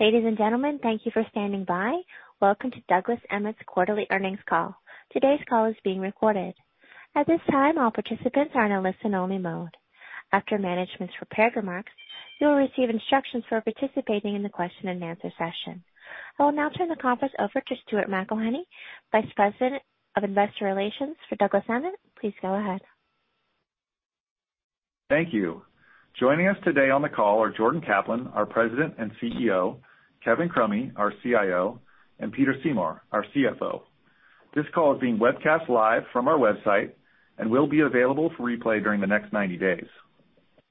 Ladies and gentlemen, thank you for standing by. Welcome to Douglas Emmett's quarterly earnings call. Today's call is being recorded. At this time, all participants are in a listen-only mode. After management's prepared remarks, you will receive instructions for participating in the question and answer session. I will now turn the conference over to Stuart McElhinney, Vice President of Investor Relations for Douglas Emmett. Please go ahead. Thank you. Joining us today on the call are Jordan Kaplan, our President and CEO, Kevin Crummy, our CIO, and Peter Seymour, our CFO. This call is being webcast live from our website and will be available for replay during the next 90 days.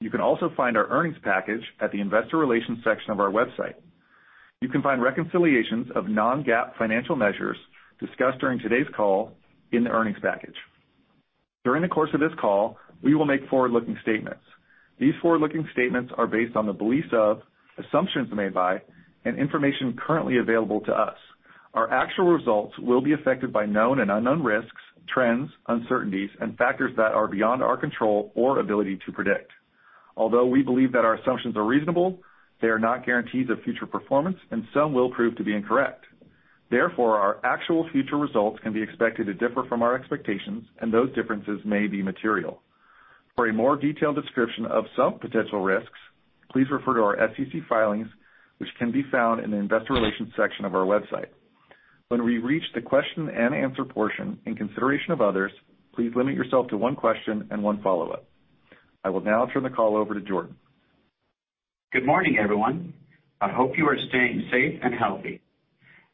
You can also find our earnings package at the investor relations section of our website. You can find reconciliations of non-GAAP financial measures discussed during today's call in the earnings package. During the course of this call, we will make forward-looking statements. These forward-looking statements are based on the beliefs of, assumptions made by, and information currently available to us. Our actual results will be affected by known and unknown risks, trends, uncertainties, and factors that are beyond our control or ability to predict. Although we believe that our assumptions are reasonable, they are not guarantees of future performance, and some will prove to be incorrect. Therefore, our actual future results can be expected to differ from our expectations, and those differences may be material. For a more detailed description of some potential risks, please refer to our SEC filings, which can be found in the investor relations section of our website. When we reach the question and answer portion, in consideration of others, please limit yourself to one question and one follow-up. I will now turn the call over to Jordan. Good morning, everyone. I hope you are staying safe and healthy.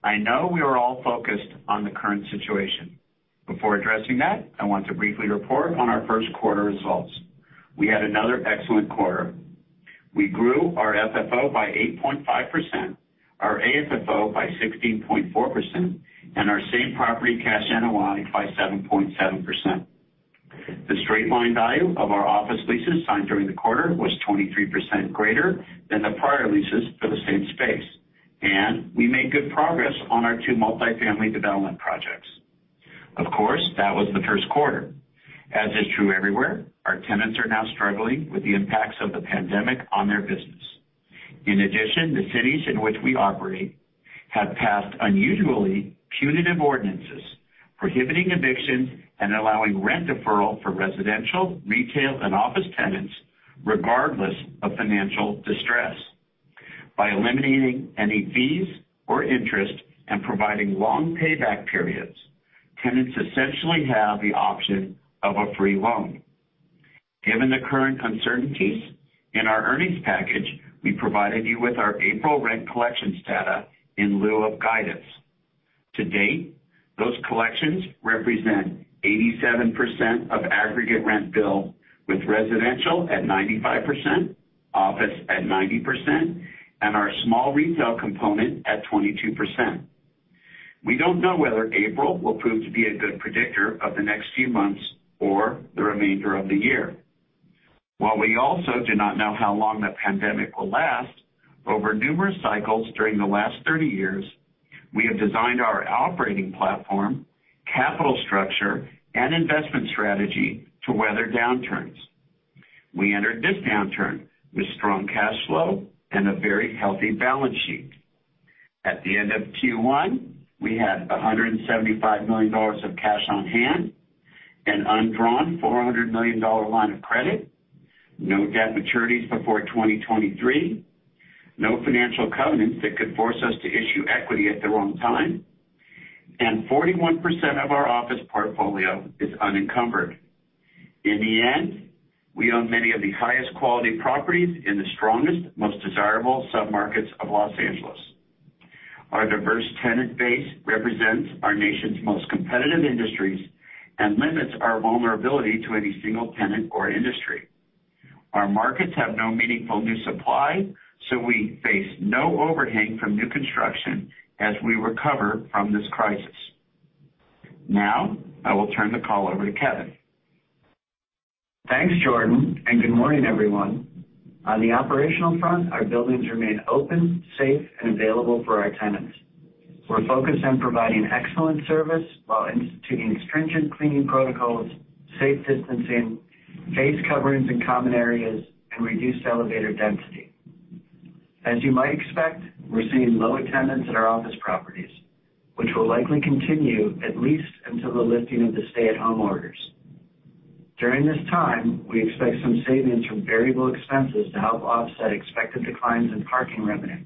I know we are all focused on the current situation. Before addressing that, I want to briefly report on our first quarter results. We had another excellent quarter. We grew our FFO by 8.5%, our AFFO by 16.4%, and our same property cash NOI by 7.7%. The straight line value of our office leases signed during the quarter was 23% greater than the prior leases for the same space. We made good progress on our two multifamily development projects. Of course, that was the first quarter. As is true everywhere, our tenants are now struggling with the impacts of the pandemic on their business. In addition, the cities in which we operate have passed unusually punitive ordinances prohibiting evictions and allowing rent deferral for residential, retail, and office tenants regardless of financial distress. By eliminating any fees or interest and providing long payback periods, tenants essentially have the option of a free loan. Given the current uncertainties, in our earnings package, we provided you with our April rent collections data in lieu of guidance. To date, those collections represent 87% of aggregate rent bill, with residential at 95%, office at 90%, and our small retail component at 22%. We don't know whether April will prove to be a good predictor of the next few months or the remainder of the year. While we also do not know how long the pandemic will last, over numerous cycles during the last 30 years, we have designed our operating platform, capital structure, and investment strategy to weather downturns. We entered this downturn with strong cash flow and a very healthy balance sheet. At the end of Q1, we had $175 million of cash on hand and undrawn $400 million line of credit, no debt maturities before 2023, no financial covenants that could force us to issue equity at the wrong time, and 41% of our office portfolio is unencumbered. In the end, we own many of the highest quality properties in the strongest, most desirable submarkets of Los Angeles. Our diverse tenant base represents our nation's most competitive industries and limits our vulnerability to any single tenant or industry. Our markets have no meaningful new supply, so we face no overhang from new construction as we recover from this crisis. I will turn the call over to Kevin. Thanks, Jordan. Good morning, everyone. On the operational front, our buildings remain open, safe, and available for our tenants. We're focused on providing excellent service while instituting stringent cleaning protocols, safe distancing, face coverings in common areas, and reduced elevator density. As you might expect, we're seeing low attendance at our office properties, which will likely continue at least until the lifting of the stay-at-home orders. During this time, we expect some savings from variable expenses to help offset expected declines in parking revenue.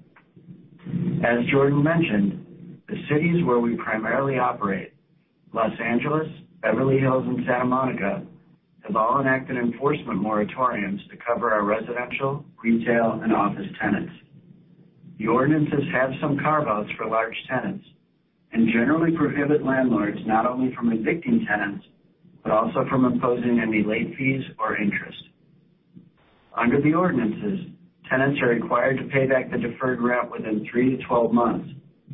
As Jordan mentioned, the cities where we primarily operate, L.A., Beverly Hills, and Santa Monica, have all enacted enforcement moratoriums to cover our residential, retail, and office tenants. The ordinances have some carve-outs for large tenants and generally prohibit landlords not only from evicting tenants, but also from imposing any late fees or interest. Under the ordinances, tenants are required to pay back the deferred rent within 3 to 12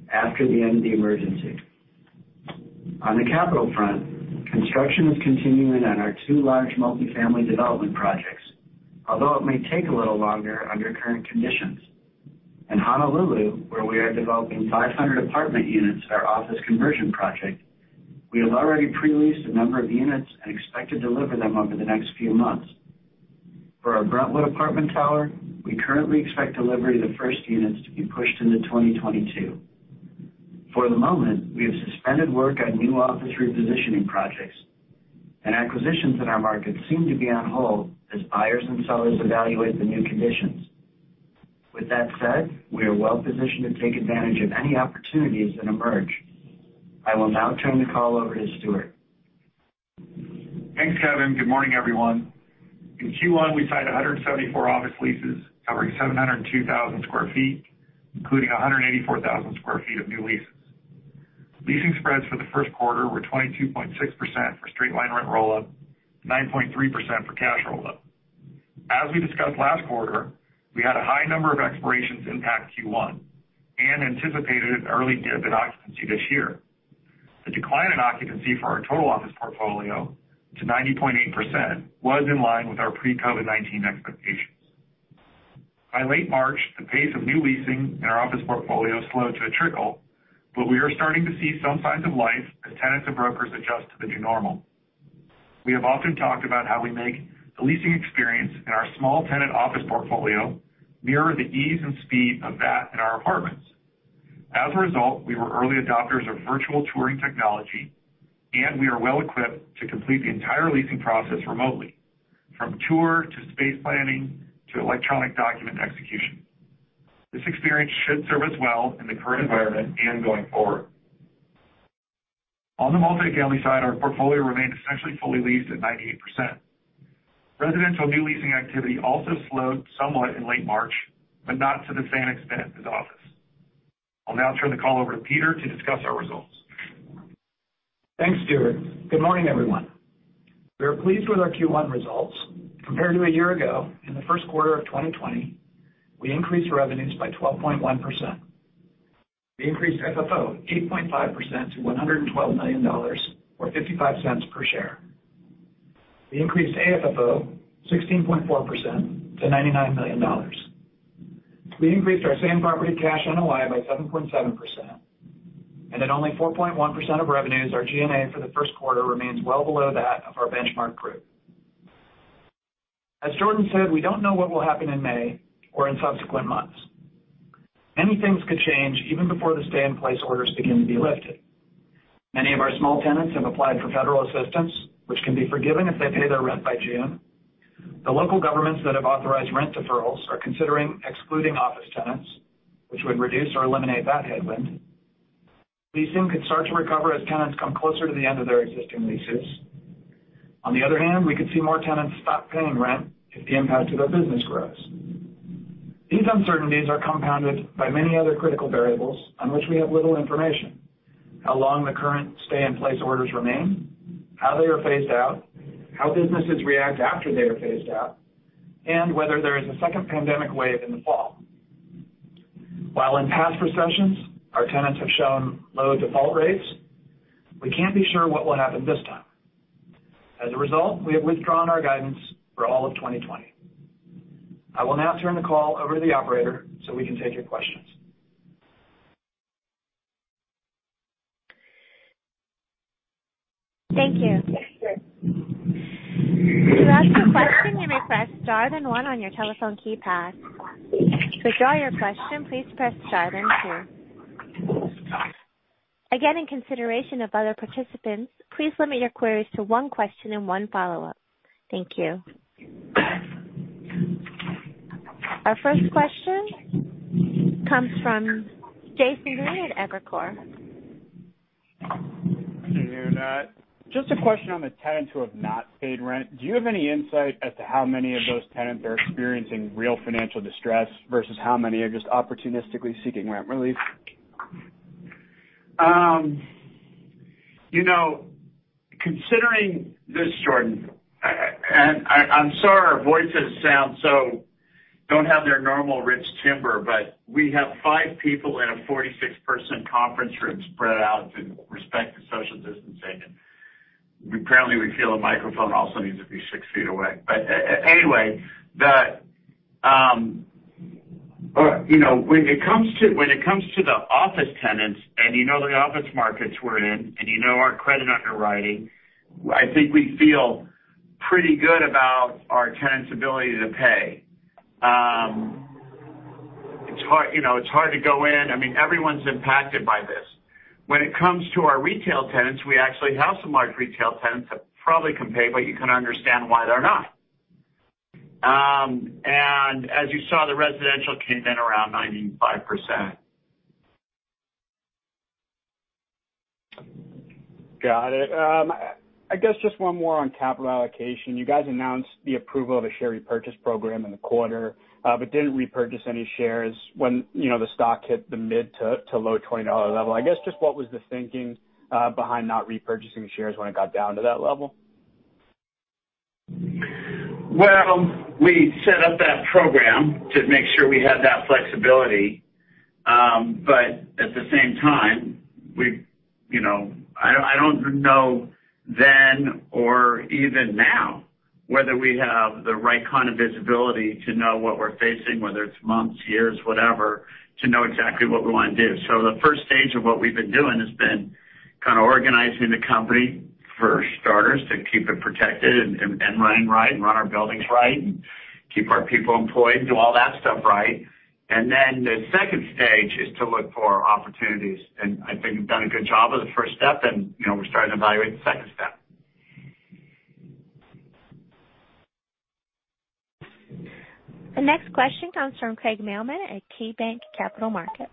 months after the end of the emergency. On the capital front, construction is continuing on our two large multifamily development projects, although it may take a little longer under current conditions. In Honolulu, where we are developing 500 apartment units at our office conversion project. We have already pre-leased a number of units and expect to deliver them over the next few months. For our Brentwood apartment tower, we currently expect delivery of the first units to be pushed into 2022. For the moment, we have suspended work on new office repositioning projects. Acquisitions in our market seem to be on hold as buyers and sellers evaluate the new conditions. With that said, we are well positioned to take advantage of any opportunities that emerge. I will now turn the call over to Stuart. Thanks, Kevin. Good morning, everyone. In Q1, we signed 174 office leases covering 702,000 sq ft, including 184,000 sq ft of new leases. Leasing spreads for the first quarter were 22.6% for straight line rent roll up, 9.3% for cash roll up. As we discussed last quarter, we had a high number of expirations impact Q1 and anticipated an early dip in occupancy this year. The decline in occupancy for our total office portfolio to 90.8% was in line with our pre-COVID-19 expectations. By late March, the pace of new leasing in our office portfolio slowed to a trickle, but we are starting to see some signs of life as tenants and brokers adjust to the new normal. We have often talked about how we make the leasing experience in our small tenant office portfolio mirror the ease and speed of that in our apartments. As a result, we were early adopters of virtual touring technology, and we are well equipped to complete the entire leasing process remotely, from tour to space planning to electronic document execution. This experience should serve us well in the current environment and going forward. On the multifamily side, our portfolio remained essentially fully leased at 98%. Residential new leasing activity also slowed somewhat in late March, but not to the same extent as office. I'll now turn the call over to Peter to discuss our results. Thanks, Stuart. Good morning, everyone. We are pleased with our Q1 results. Compared to a year ago, in the first quarter of 2020, we increased revenues by 12.1%. We increased FFO 8.5% to $112 million, or $0.55 per share. We increased AFFO 16.4% to $99 million. We increased our same property cash NOI by 7.7%. At only 4.1% of revenues, our G&A for the first quarter remains well below that of our benchmark group. As Jordan said, we don't know what will happen in May or in subsequent months. Many things could change even before the stay in place orders begin to be lifted. Many of our small tenants have applied for federal assistance, which can be forgiven if they pay their rent by June. The local governments that have authorized rent deferrals are considering excluding office tenants, which would reduce or eliminate that headwind. Leasing could start to recover as tenants come closer to the end of their existing leases. On the other hand, we could see more tenants stop paying rent if the impact to their business grows. These uncertainties are compounded by many other critical variables on which we have little information. How long the current stay in place orders remain, how they are phased out, how businesses react after they are phased out, and whether there is a second pandemic wave in the fall. While in past recessions our tenants have shown low default rates, we can't be sure what will happen this time. As a result, we have withdrawn our guidance for all of 2020. I will now turn the call over to the operator so we can take your questions. Thank you. To ask a question, you may press star then one on your telephone keypad. To withdraw your question, please press star then two. In consideration of other participants, please limit your queries to one question and one follow-up. Thank you. Our first question comes from Jason Green at Evercore. Just a question on the tenants who have not paid rent. Do you have any insight as to how many of those tenants are experiencing real financial distress versus how many are just opportunistically seeking rent relief? Considering, this is Jordan, I'm sorry our voices don't have their normal rich timbre, but we have five people in a 46-person conference room spread out to respect the social distancing, and apparently we feel a microphone also needs to be six feet away. Anyway, when it comes to the office tenants, and you know the office markets we're in, and you know our credit underwriting, I think we feel pretty good about our tenants' ability to pay. It's hard to go in. Everyone's impacted by this. When it comes to our retail tenants, we actually have some large retail tenants that probably can pay, but you can understand why they're not. As you saw, the residential came in around 95%. Got it. I guess just one more on capital allocation. You guys announced the approval of a share repurchase program in the quarter but didn't repurchase any shares when the stock hit the mid to low $20 level. I guess just what was the thinking behind not repurchasing shares when it got down to that level? Well, we set up that program to make sure we had that flexibility. At the same time, I don't know then or even now, whether we have the right kind of visibility to know what we're facing, whether it's months, years, whatever, to know exactly what we want to do. The first stage of what we've been doing has been kind of organizing the company, for starters, to keep it protected and running right, and run our buildings right, and keep our people employed, do all that stuff right. The second stage is to look for opportunities. I think we've done a good job of the first step, and we're starting to evaluate the second step. The next question comes from Craig Mailman at KeyBanc Capital Markets.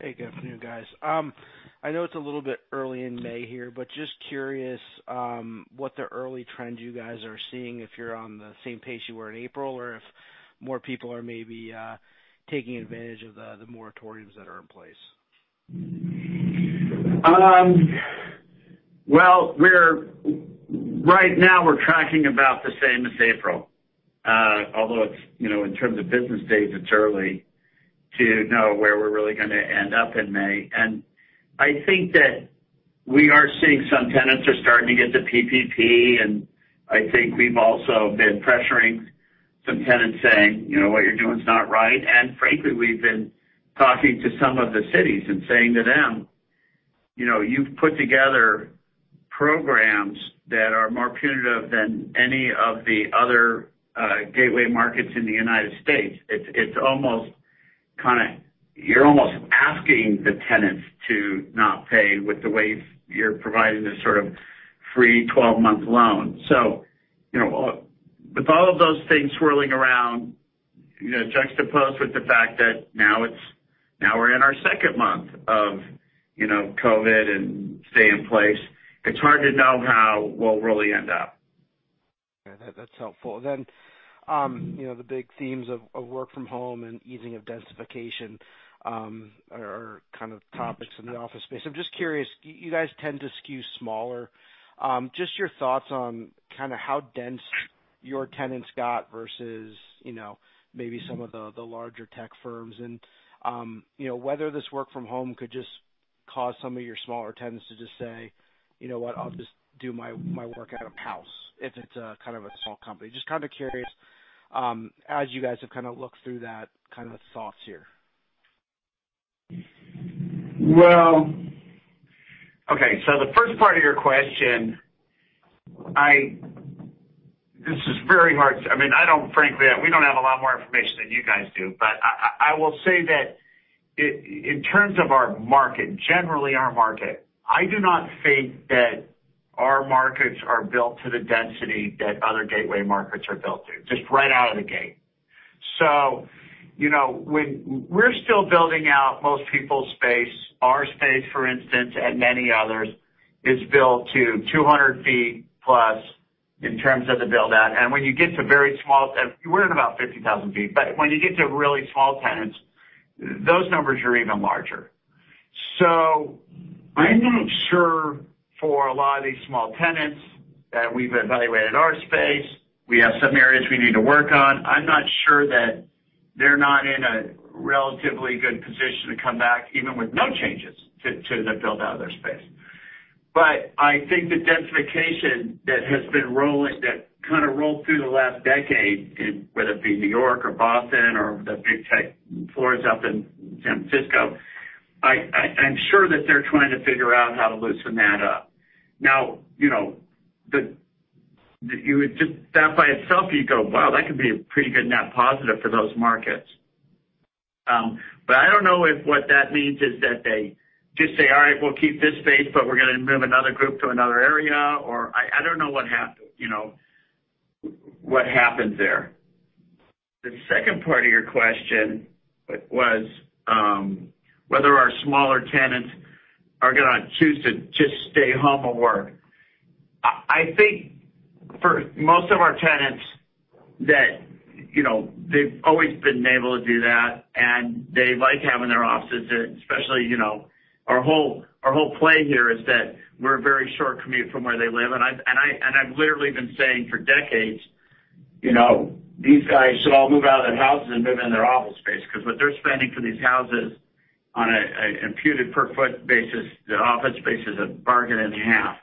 Good afternoon, guys. I know it's a little bit early in May here. Just curious what the early trends you guys are seeing, if you're on the same pace you were in April, or if more people are maybe taking advantage of the moratoriums that are in place? Well, right now, we're tracking about the same as April. Although, in terms of business days, it's early to know where we're really going to end up in May. I think that we are seeing some tenants are starting to get the PPP, and I think we've also been pressuring some tenants saying, "What you're doing is not right." Frankly, we've been talking to some of the cities and saying to them, "You've put together programs that are more punitive than any of the other gateway markets in the United States." You're almost asking the tenants to not pay with the way you're providing this sort of free 12-month loan. With all of those things swirling around, juxtaposed with the fact that now we're in our second month of COVID and stay in place, it's hard to know how we'll really end up. That's helpful. The big themes of work from home and easing of densification are kind of topics in the office space. I'm just curious, you guys tend to skew smaller. Just your thoughts on kind of how dense your tenants got versus maybe some of the larger tech firms, and whether this work from home could just cause some of your smaller tenants to just say, "You know what? I'll just do my work out of house," if it's a kind of a small company. Just kind of curious, as you guys have kind of looked through that kind of thoughts here? The first part of your question, this is very hard, frankly, we don't have a lot more information than you guys do. I will say that in terms of our market, generally our market, I do not think that our markets are built to the density that other gateway markets are built to, just right out of the gate. We're still building out most people's space. Our space, for instance, and many others, is built to 200 ft plus in terms of the build out. When you get to very small, we're in about 50,000 ft, but when you get to really small tenants, those numbers are even larger. I'm not sure for a lot of these small tenants that we've evaluated our space. We have some areas we need to work on. I'm not sure that they're not in a relatively good position to come back, even with no changes to the build out of their space. I think the densification that kind of rolled through the last decade, whether it be New York or Boston or the big tech floors up in San Francisco, I'm sure that they're trying to figure out how to loosen that up. That by itself, you go, "Wow, that could be a pretty good net positive for those markets." I don't know if what that means is that they just say, "All right, we'll keep this space, but we're going to move another group to another area." I don't know what happens there. The second part of your question was whether our smaller tenants are going to choose to just stay home or work. I think for most of our tenants that they've always been able to do that, and they like having their offices, especially our whole play here is that we're a very short commute from where they live. I've literally been saying for decades, these guys should all move out of their houses and move in their office space because what they're spending for these houses on an imputed per foot basis, the office space is a bargain in half.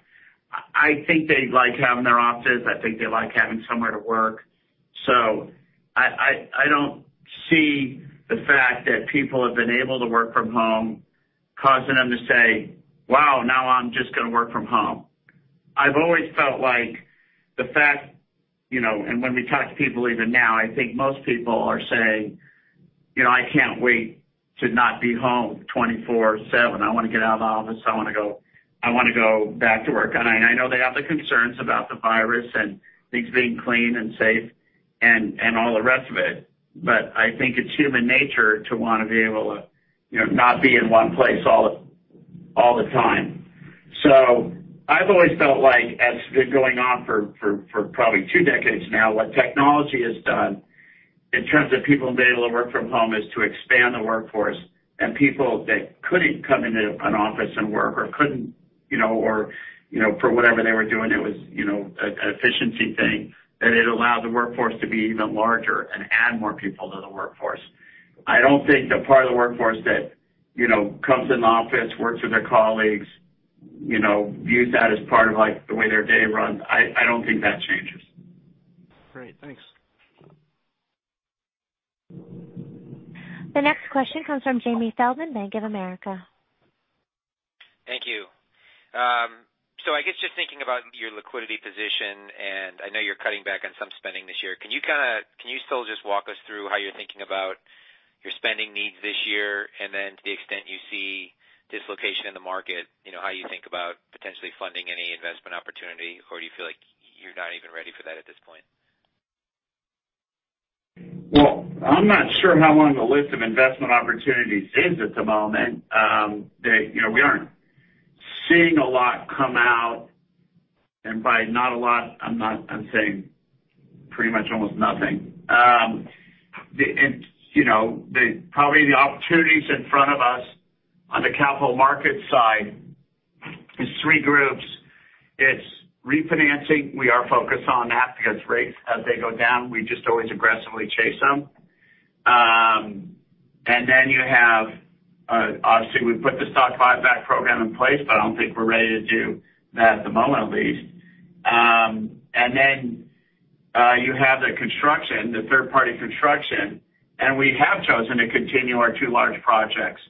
I think they like having their offices. I think they like having somewhere to work. I don't see the fact that people have been able to work from home, causing them to say, "Wow, now I'm just going to work from home." I've always felt like, and when we talk to people even now, I think most people are saying, "I can't wait to not be home 24/7. I want to get out of the office. I want to go back to work." I know they have the concerns about the virus and things being clean and safe, and all the rest of it. I think it's human nature to want to be able to not be in one place all the time. I've always felt like, as it's been going on for probably two decades now, what technology has done in terms of people being able to work from home is to expand the workforce and people that couldn't come into an office and work or for whatever they were doing, it was an efficiency thing, that it allowed the workforce to be even larger and add more people to the workforce. I don't think the part of the workforce that comes in the office, works with their colleagues, views that as part of the way their day runs. I don't think that changes. Thanks. The next question comes from Jamie Feldman, Bank of America. Thank you. I guess just thinking about your liquidity position, and I know you're cutting back on some spending this year. Can you still just walk us through how you're thinking about your spending needs this year, and then to the extent you see dislocation in the market, how you think about potentially funding any investment opportunity, or do you feel like you're not even ready for that at this point? I'm not sure how long the list of investment opportunities is at the moment. That we aren't seeing a lot come out, and by not a lot, I'm saying pretty much almost nothing. Probably the opportunities in front of us on the capital markets side is three groups. It's refinancing. We are focused on that because rates, as they go down, we just always aggressively chase them. Then you have, obviously, we put the stock buyback program in place, but I don't think we're ready to do that at the moment, at least. Then you have the construction, the third-party construction, and we have chosen to continue our two large projects.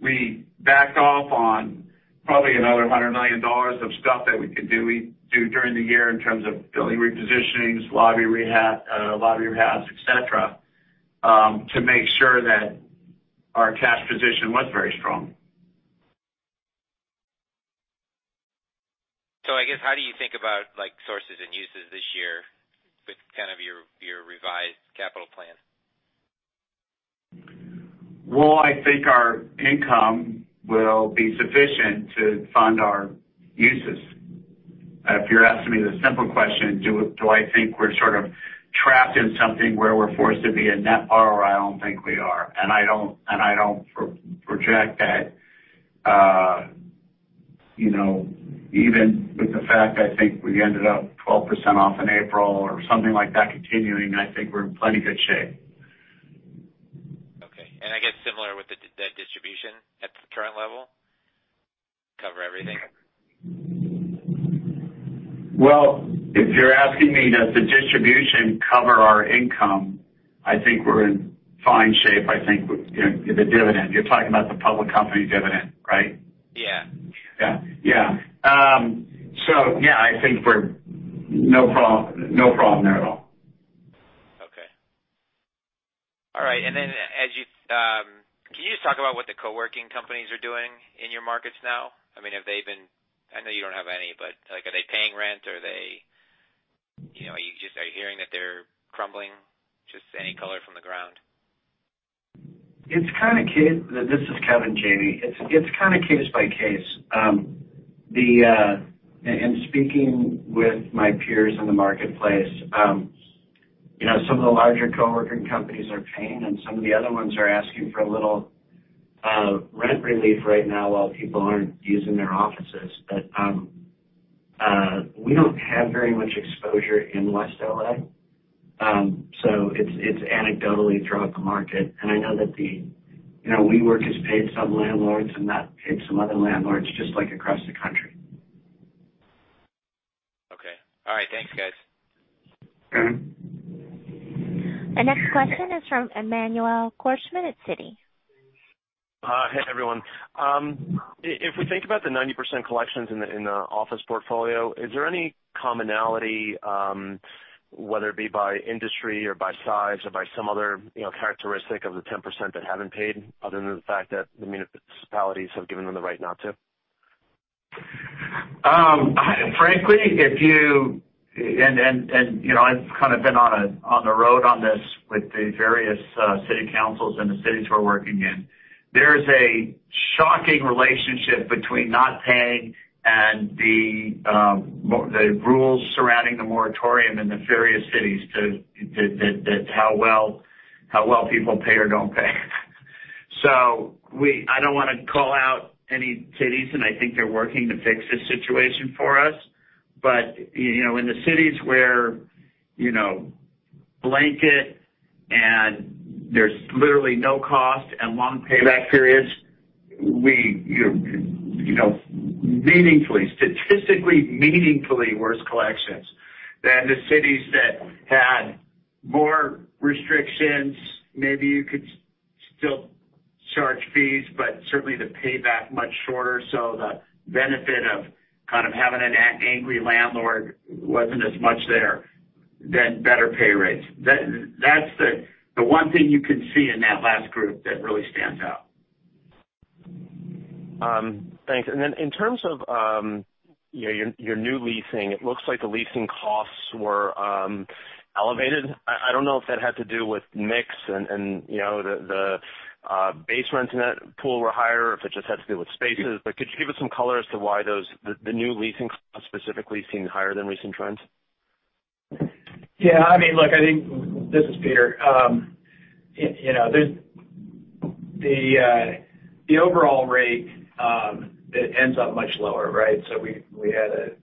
We backed off on probably another $100 million of stuff that we could do during the year in terms of building repositionings, lobby rehabs, et cetera, to make sure that our cash position was very strong. I guess, how do you think about sources and uses this year with kind of your revised capital plan? Well, I think our income will be sufficient to fund our uses. If you're asking me the simple question, do I think we're sort of trapped in something where we're forced to be a net borrower? I don't think we are, and I don't project that. Even with the fact, I think we ended up 12% off in April or something like that continuing, I think we're in plenty good shape. I guess similar with the distribution at the current level, cover everything? Well, if you're asking me, does the distribution cover our income, I think we're in fine shape. I think with the dividend, you're talking about the public company dividend, right? Yeah. Yeah, I think we're no problem there at all. Okay. All right. Can you just talk about what the co-working companies are doing in your markets now? I know you don't have any, but are they paying rent? Are you just hearing that they're crumbling? Just any color from the ground. This is Kevin, Jamie. It's kind of case by case. In speaking with my peers in the marketplace, some of the larger co-working companies are paying, and some of the other ones are asking for a little rent relief right now while people aren't using their offices. We don't have very much exposure in West L.A. It's anecdotally throughout the market. I know that we were just paid some landlords and not paid some other landlords, just like across the country. All right. Thanks, guys. The next question is from Emmanuel Korchman at Citi. Hey, everyone. If we think about the 90% collections in the office portfolio, is there any commonality, whether it be by industry or by size or by some other characteristic of the 10% that haven't paid, other than the fact that the municipalities have given them the right not to? Frankly, I've kind of been on the road on this with the various city councils and the cities we're working in. There is a shocking relationship between not paying and the rules surrounding the moratorium in the various cities to how well people pay or don't pay. I don't want to call out any cities, and I think they're working to fix this situation for us. In the cities where blanket and there's literally no cost and long payback periods, statistically meaningfully worse collections than the cities that had more restrictions. Maybe you could still charge fees, but certainly the payback much shorter. The benefit of kind of having an angry landlord wasn't as much there, then better pay rates. That's the one thing you can see in that last group that really stands out. Thanks. In terms of your new leasing, it looks like the leasing costs were elevated. I don't know if that had to do with mix and the base rents in that pool were higher, or if it just had to do with spaces, but could you give us some color as to why the new leasing costs specifically seem higher than recent trends? This is Peter. The overall rate ends up much lower, right? We had it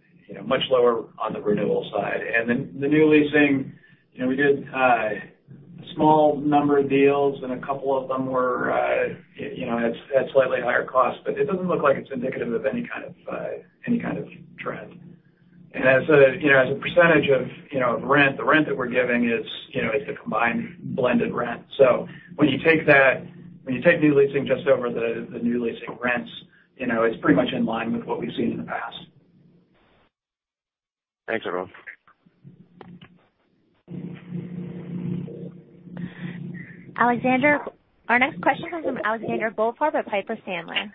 much lower on the renewal side. The new leasing, we did a small number of deals, and a couple of them were at slightly higher costs, but it doesn't look like it's indicative of any kind of trend. As a percentage of rent, the rent that we're giving it's the combined blended rent. When you take new leasing just over the new leasing rents, it's pretty much in line with what we've seen in the past. Thanks. Alexander. Our next question comes from Alexander Goldfarb at Piper Sandler.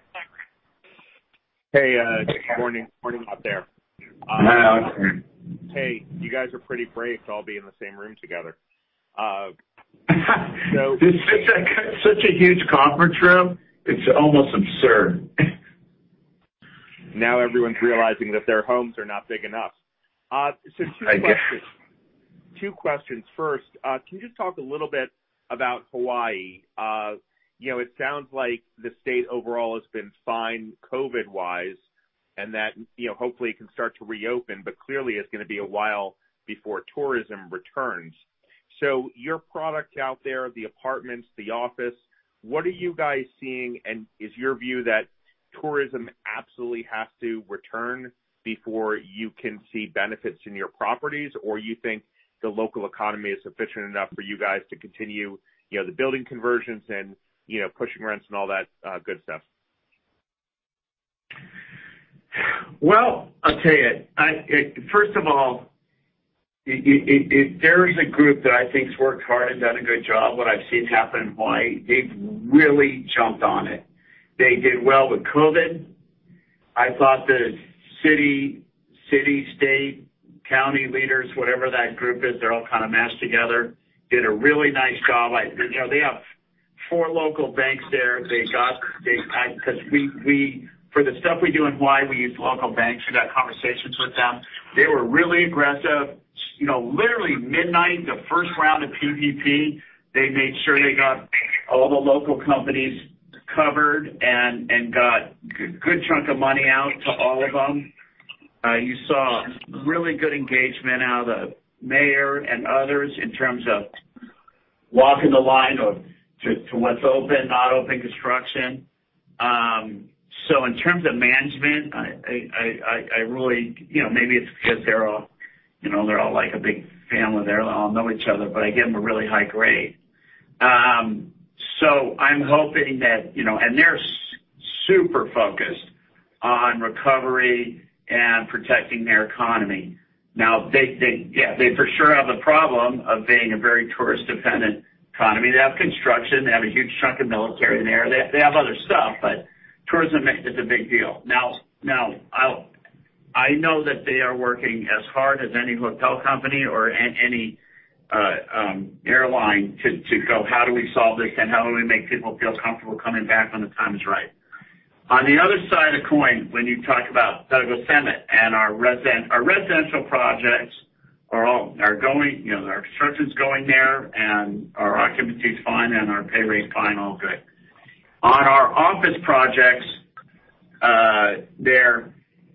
Hey, good morning out there. Hi, Alex. Hey, you guys are pretty brave to all be in the same room together. Such a huge conference room, it's almost absurd. Now everyone's realizing that their homes are not big enough. Two questions. First, can you just talk a little bit about Hawaii? It sounds like the state overall has been fine COVID-wise, and that hopefully it can start to reopen. Clearly, it's going to be a while before tourism returns. Your product out there, the apartments, the office, what are you guys seeing? Is your view that tourism absolutely has to return before you can see benefits in your properties? You think the local economy is sufficient enough for you guys to continue the building conversions and pushing rents and all that good stuff? Well, I'll tell you. First of all, there is a group that I think's worked hard and done a good job. What I've seen happen in Hawaii, they've really jumped on it. They did well with COVID. I thought the city, state, county leaders, whatever that group is, they're all kind of mashed together, did a really nice job. They have four local banks there. For the stuff we do in Hawaii, we use local banks. We've had conversations with them. They were really aggressive. Literally midnight, the first round of PPP, they made sure they got all the local companies covered and got good chunk of money out to all of them. You saw really good engagement out of the mayor and others in terms of walking the line of to what's open, not open construction. In terms of management, maybe it's because they're all like a big family there, all know each other, but I give them a really high grade. They're super focused on recovery and protecting their economy. They for sure have a problem of being a very tourist-dependent economy. They have construction. They have a huge chunk of military there. They have other stuff, but tourism is a big deal. I know that they are working as hard as any hotel company or any airline to go, how do we solve this, and how do we make people feel comfortable coming back when the time is right. On the other side of the coin, when you talk about Douglas Emmett and our resident, our residential projects are going, our construction's going there, and our occupancy's fine, and our pay rate's fine, all good. On our office projects, they're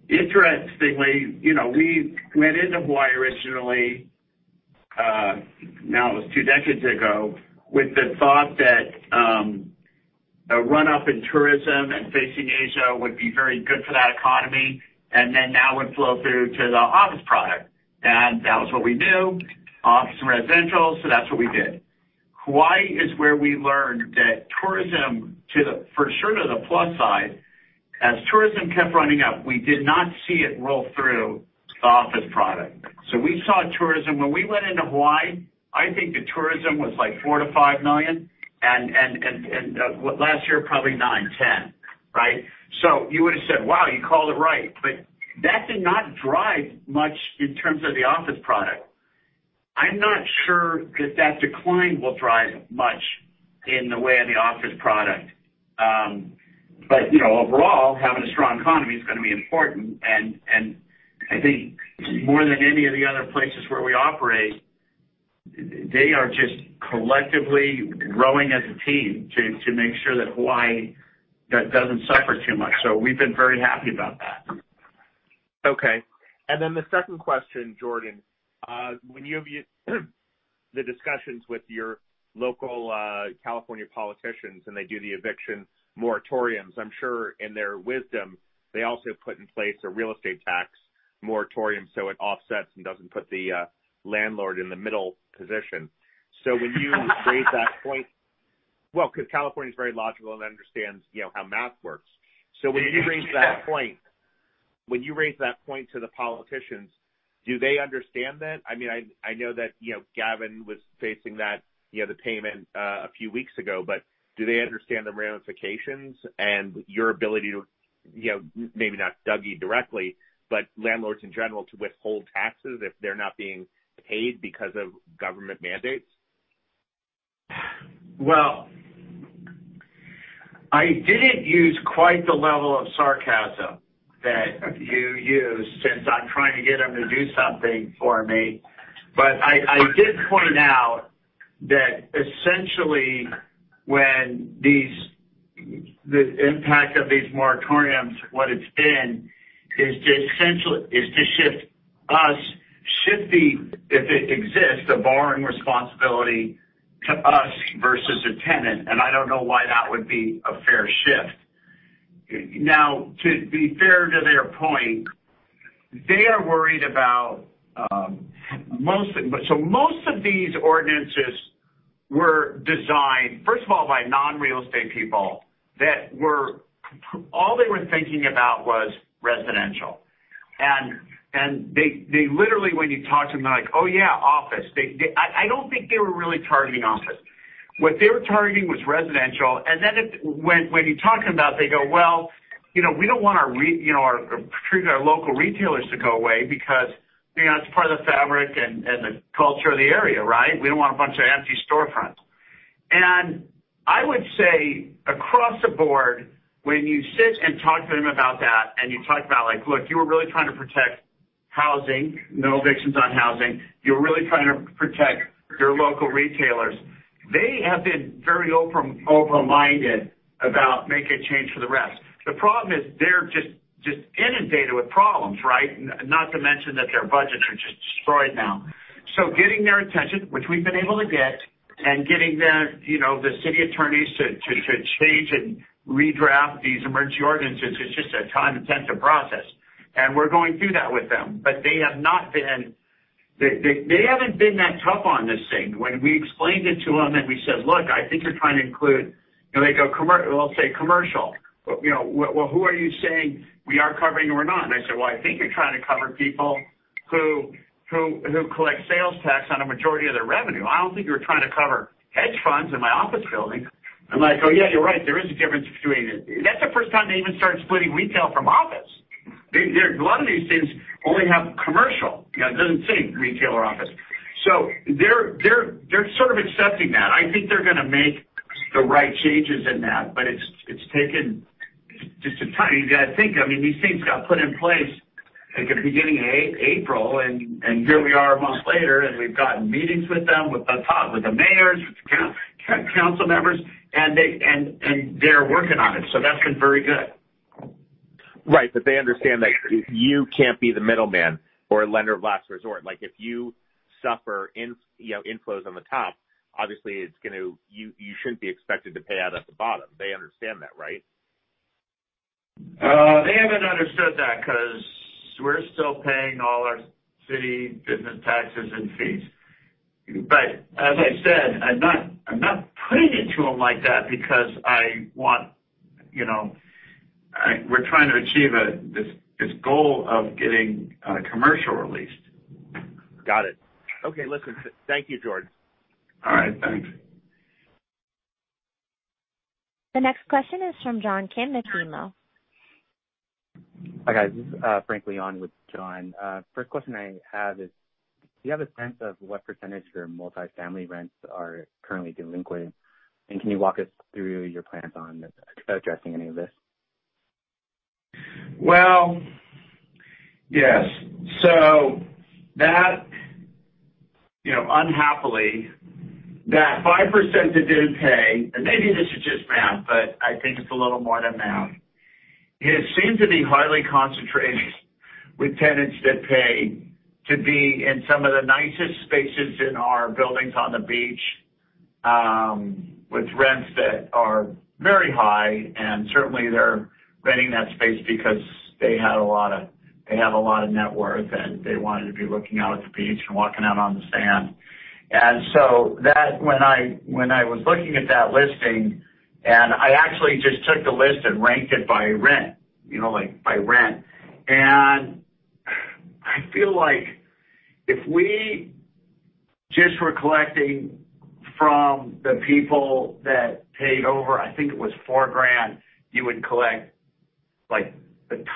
interestingly, we went into Hawaii originally, now it was two decades ago, with the thought that a run-up in tourism and facing Asia would be very good for that economy, and then that would flow through to the office product. That was what we knew, office and residential, so that's what we did. Hawaii is where we learned that tourism, for sure to the plus side, as tourism kept running up, we did not see it roll through the office product. We saw tourism. When we went into Hawaii, I think the tourism was like 4 million-5 million, and last year, probably nine, 10, right? You would've said, "Wow, you called it right." But that did not drive much in terms of the office product. I'm not sure that that decline will drive much in the way of the office product. Overall, having a strong economy is going to be important, and I think more than any of the other places where we operate, they are just collectively growing as a team to make sure that Hawaii doesn't suffer too much. We've been very happy about that. The second question, Jordan. When you have the discussions with your local California politicians and they do the eviction moratoriums, I'm sure in their wisdom, they also put in place a real estate tax moratorium so it offsets and doesn't put the landlord in the middle position. When you raise that point, well, because California's very logical and understands how math works. When you raise that point to the politicians, do they understand that? I know that Gavin was facing that, the payment, a few weeks ago, but do they understand the ramifications and your ability to, maybe not Dougie directly, but landlords in general to withhold taxes if they're not being paid because of government mandates? Well, I didn't use quite the level of sarcasm that you used since I'm trying to get them to do something for me. I did point out that essentially, when the impact of these moratoriums, what it's been is to shift us, shift the, if it exists, the borrowing responsibility to us versus a tenant. I don't know why that would be a fair shift. Now, to be fair to their point, they are worried about most of these ordinances were designed, first of all, by non-real estate people that all they were thinking about was residential. They literally, when you talk to them, they're like, "Oh, yeah, office." I don't think they were really targeting office. What they were targeting was residential. When you talk to them about it, they go, "Well, we don't want our local retailers to go away because it's part of the fabric and the culture of the area, right? We don't want a bunch of empty storefronts." I would say across the board, when you sit and talk to them about that, and you talk about like, "Look, you were really trying to protect housing, no evictions on housing. You're really trying to protect your local retailers." They have been very open-minded about making a change for the rest. The problem is they're just inundated with problems. Not to mention that their budgets are just destroyed now. Getting their attention, which we've been able to get, and getting the city attorneys to change and redraft these emergency ordinances is just a time-intensive process. We're going through that with them. They haven't been that tough on this thing. When we explained it to them, we said, "Look, I think you're trying to include." They'll say commercial. "Well, who are you saying we are covering or not?" I said, "Well, I think you're trying to cover people who collect sales tax on a majority of their revenue. I don't think you were trying to cover hedge funds in my office building." I'm like, "Oh, yeah, you're right. There is a difference between it." That's the first time they even started splitting retail from office. A lot of these things only have commercial. It doesn't say retail or office. They're sort of accepting that. I think they're going to make the right changes in that, but it's taken just a tiny. You got to think, these things got put in place at the beginning of April, and here we are months later, and we've gotten meetings with them, with the mayors, with the council members, and they're working on it. That's been very good. They understand that you can't be the middleman or lender of last resort. If you suffer inflows on the top, obviously, you shouldn't be expected to pay out at the bottom. They understand that, right? They haven't understood that because we're still paying all our city business taxes and fees. As I said, I'm not putting it to them like that because we're trying to achieve this goal of getting commercial released. Got it. Okay. Listen. Thank you, Jordan. All right. Thanks. The next question is from John Kim at BMO. Hi, guys. This is Frank Lee with John. First question I have is, do you have a sense of what percentage of your multifamily rents are currently delinquent? Can you walk us through your plans on addressing any of this? Well, yes. Unhappily, that 5% that didn't pay, and maybe this is just math, but I think it's a little more than now. It seemed to be highly concentrated with tenants that pay to be in some of the nicest spaces in our buildings on the beach, with rents that are very high, and certainly they're renting that space because they have a lot of net worth, and they wanted to be looking out at the beach and walking out on the sand. When I was looking at that listing, I actually just took the list and ranked it by rent. I feel like if we just were collecting from the people that paid over, I think it was $4,000, you would collect a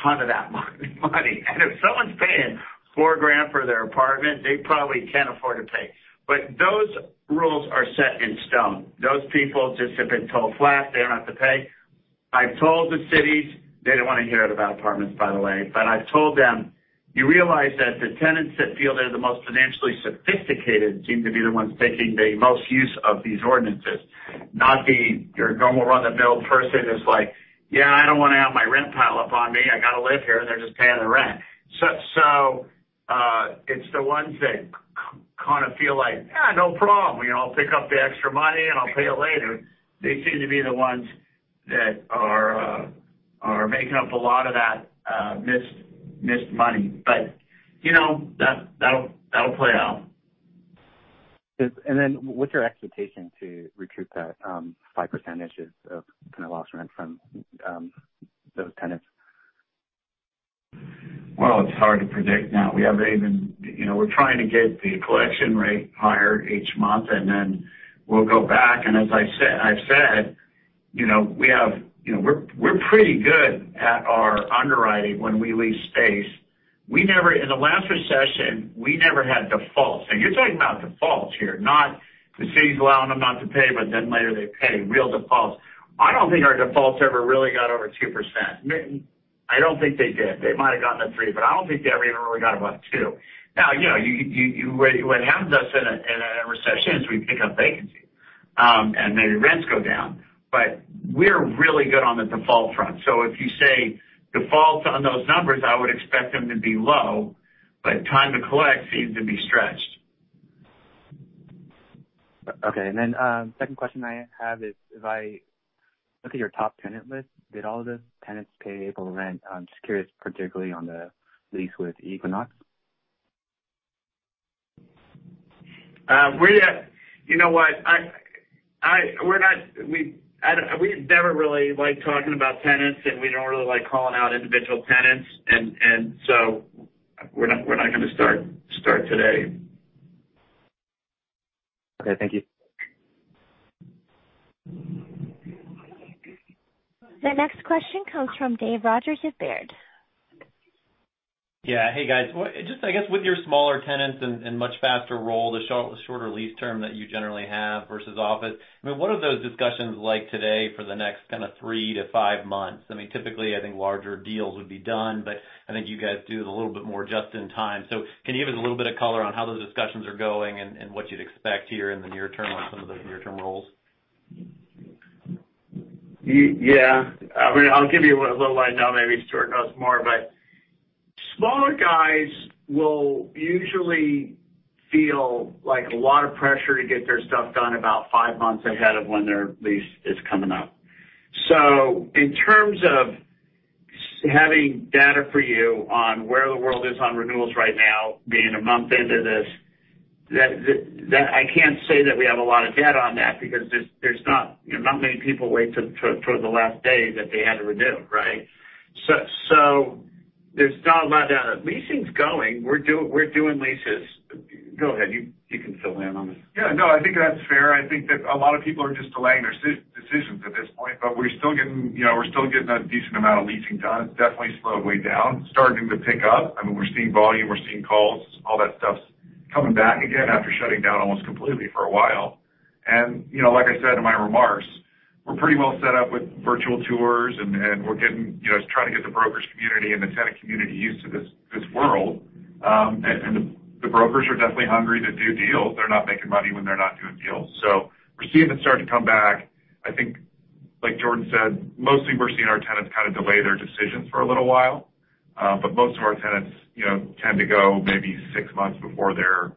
ton of that money. If someone's paying $4,000 for their apartment, they probably can afford to pay. Those rules are set in stone. Those people just have been told flat they don't have to pay. I've told the cities, they don't want to hear it about apartments, by the way. I've told them, you realize that the tenants that feel they're the most financially sophisticated seem to be the ones taking the most use of these ordinances, not your normal run-of-the-mill person that's like, "Yeah, I don't want to have my rent pile up on me. I got to live here," and they're just paying the rent. It's the ones that kind of feel like, "Yeah, no problem. I'll pick up the extra money, and I'll pay it later." They seem to be the ones that are making up a lot of that missed money. That'll play out. What's your expectation to recruit that 5% of lost rent from those tenants? Well, it's hard to predict now. We're trying to get the collection rate higher each month, and then we'll go back. As I've said, we're pretty good at our underwriting when we lease space. In the last recession, we never had defaults. You're talking about defaults here, not the city's allowing them not to pay, but then later they pay real defaults. I don't think our defaults ever really got over 2%. I don't think they did. They might've gotten a three, but I don't think they ever even really got above two. Now, what happens to us in a recession is we pick up vacancy, and maybe rents go down. We're really good on the default front. If you say defaults on those numbers, I would expect them to be low, but time to collect seems to be stretched. Second question I have is, if I look at your top tenant list, did all of the tenants pay April rent? I'm just curious, particularly on the lease with Equinox. You know what? We never really like talking about tenants, and we don't really like calling out individual tenants. We're not going to start today. Thank you. The next question comes from Dave Rodgers at Baird. Hey, guys. Just, I guess, with your smaller tenants and much faster roll, the shorter lease term that you generally have versus office, what are those discussions like today for the next kind of three to five months? Typically, I think larger deals would be done, but I think you guys do it a little bit more just in time. Can you give us a little bit of color on how those discussions are going and what you'd expect here in the near term on some of those near-term rolls? I'll give you a little right now, maybe Stuart knows more, but smaller guys will usually feel a lot of pressure to get their stuff done about five months ahead of when their lease is coming up. In terms of having data for you on where the world is on renewals right now, being a month into this, I can't say that we have a lot of data on that because not many people wait till the last day that they had to renew, right? There's not a lot of data. Leasing's going. We're doing leases. Go ahead. You can fill in on this. I think that's fair. I think that a lot of people are just delaying their decisions at this point, but we're still getting a decent amount of leasing done. It's definitely slowed way down, starting to pick up. We're seeing volume, we're seeing calls, all that stuff's coming back again after shutting down almost completely for a while. Like I said in my remarks, we're pretty well set up with virtual tours, and we're trying to get the brokers community and the tenant community used to this world. The brokers are definitely hungry to do deals. They're not making money when they're not doing deals. We're seeing them start to come back. I think, like Jordan said, mostly we're seeing our tenants kind of delay their decisions for a little while. Most of our tenants tend to go maybe six months before they're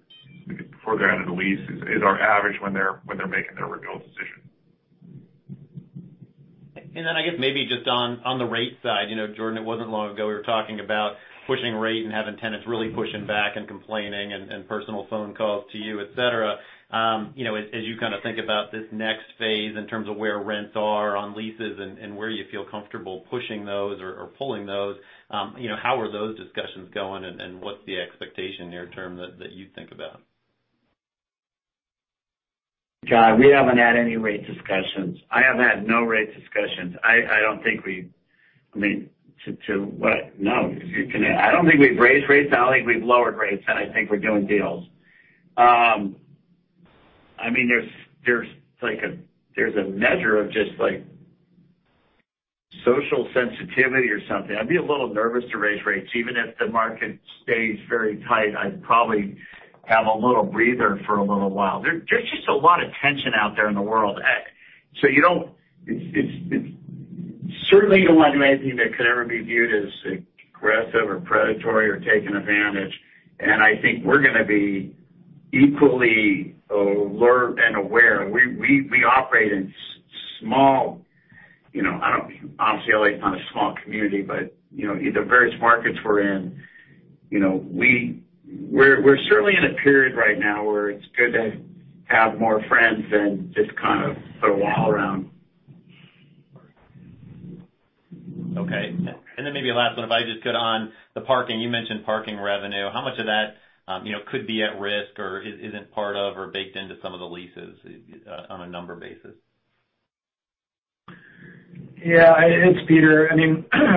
out of the lease, is our average when they're making their renewal decision. I guess maybe just on the rate side. Jordan, it wasn't long ago we were talking about pushing rate and having tenants really pushing back and complaining and personal phone calls to you, et cetera. As you kind of think about this next phase in terms of where rents are on leases and where you feel comfortable pushing those or pulling those, how are those discussions going and what's the expectation near term that you think about? God, we haven't had any rate discussions. I have had no rate discussions. No. I don't think we've raised rates. I don't think we've lowered rates. I think we're doing deals. There's a measure of just social sensitivity or something. I'd be a little nervous to raise rates. Even if the market stays very tight, I'd probably have a little breather for a little while. There's just a lot of tension out there in the world. You certainly don't want to do anything that could ever be viewed as aggressive or predatory or taking advantage. I think we're going to be equally alert and aware. We operate in small. Obviously, L.A.'s not a small community, but the various markets we're in, we're certainly in a period right now where it's good to have more friends than just kind of put a wall around. Maybe a last one, if I just could on the parking. You mentioned parking revenue. How much of that could be at risk or isn't part of or baked into some of the leases on a number basis? It's Peter.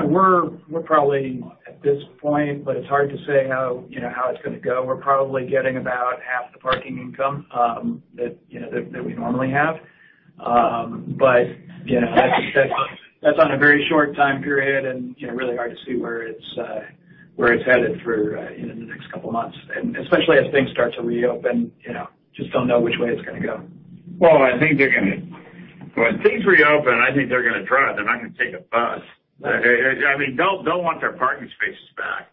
We're probably, at this point, but it's hard to say how it's going to go. We're probably getting about half the parking income that we normally have. That's on a very short time period and really hard to see where it's headed for in the next couple of months. Especially as things start to reopen, just don't know which way it's going to go. Well, when things reopen, I think they're going to drive. They're not going to take a bus. They'll want their parking spaces back.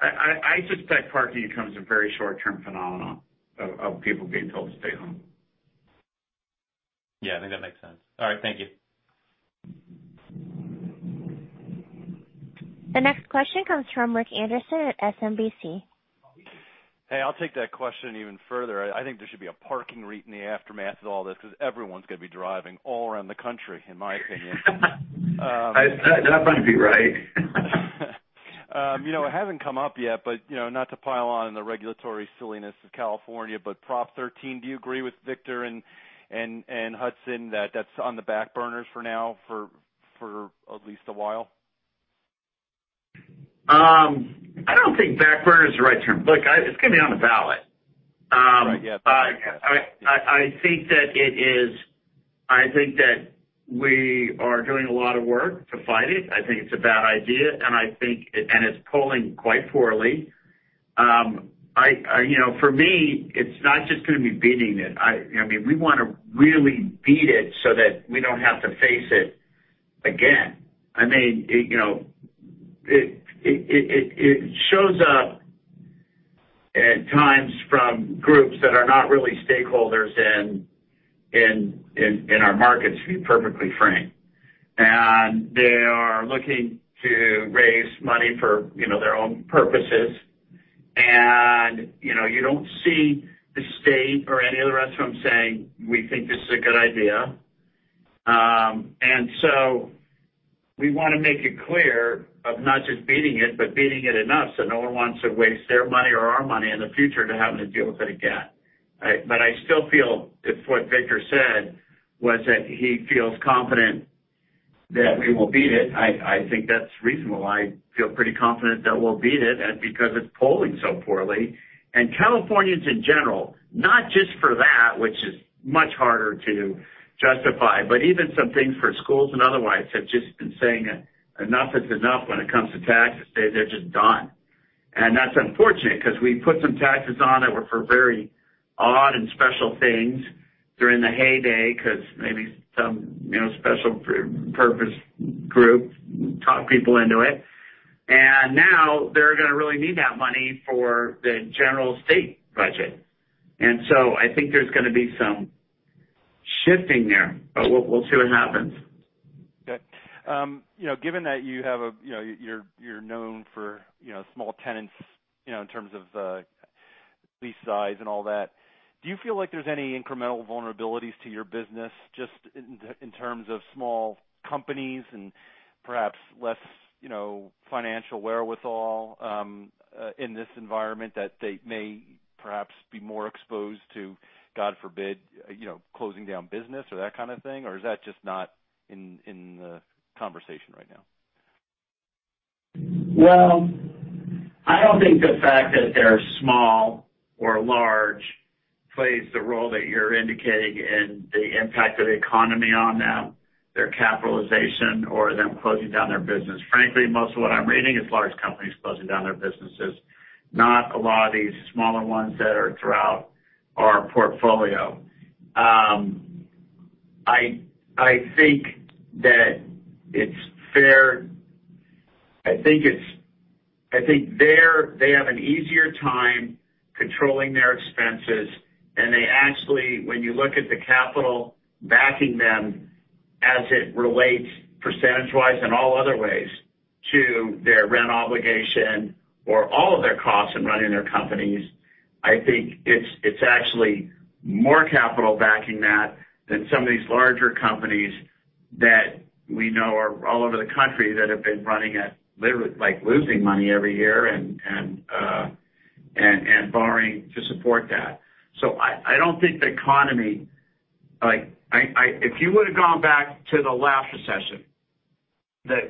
I suspect parking income's a very short-term phenomenon of people being told to stay home. I think that makes sense. All right. Thank you. The next question comes from Rich Anderson at SMBC. Hey, I'll take that question even further. I think there should be a parking REIT in the aftermath of all this because everyone's going to be driving all around the country, in my opinion. It hasn't come up yet, but not to pile on in the regulatory silliness of California, but Prop 13, do you agree with Victor and Hudson that that's on the back burners for now for at least a while? I don't think back burner is the right term. Look, it's going to be on the ballot. I think that we are doing a lot of work to fight it. I think it's a bad idea, and it's polling quite poorly. For me, it's not just going to be beating it. We want to really beat it so that we don't have to face it again. It shows up at times from groups that are not really stakeholders in our markets, to be perfectly frank. They are looking to raise money for their own purposes, and you don't see the state or any of the restaurants saying, "We think this is a good idea." We want to make it clear of not just beating it, but beating it enough so no one wants to waste their money or our money in the future to having to deal with it again. I still feel if what Victor said was that he feels confident that we will beat it, I think that's reasonable. I feel pretty confident that we'll beat it, because it's polling so poorly. Californians in general, not just for that, which is much harder to justify, but even some things for schools and otherwise, have just been saying enough is enough when it comes to taxes. They're just done. That's unfortunate because we put some taxes on it for very odd and special things during the heyday, because maybe some special purpose group talked people into it. Now they're going to really need that money for the general state budget. I think there's going to be some shifting there, but we'll see what happens. Given that you're known for small tenants in terms of lease size and all that, do you feel like there's any incremental vulnerabilities to your business, just in terms of small companies and perhaps less financial wherewithal in this environment that they may perhaps be more exposed to, God forbid, closing down business or that kind of thing? Or is that just not in the conversation right now? Well, I don't think the fact that they're small or large plays the role that you're indicating in the impact of the economy on them, their capitalization, or them closing down their business. Frankly, most of what I'm reading is large companies closing down their businesses, not a lot of these smaller ones that are throughout our portfolio. I think they have an easier time controlling their expenses, and they actually, when you look at the capital backing them as it relates percentage-wise in all other ways to their rent obligation or all of their costs in running their companies, I think it's actually more capital backing that than some of these larger companies that we know are all over the country that have been running at literally losing money every year and borrowing to support that. If you would've gone back to the last recession,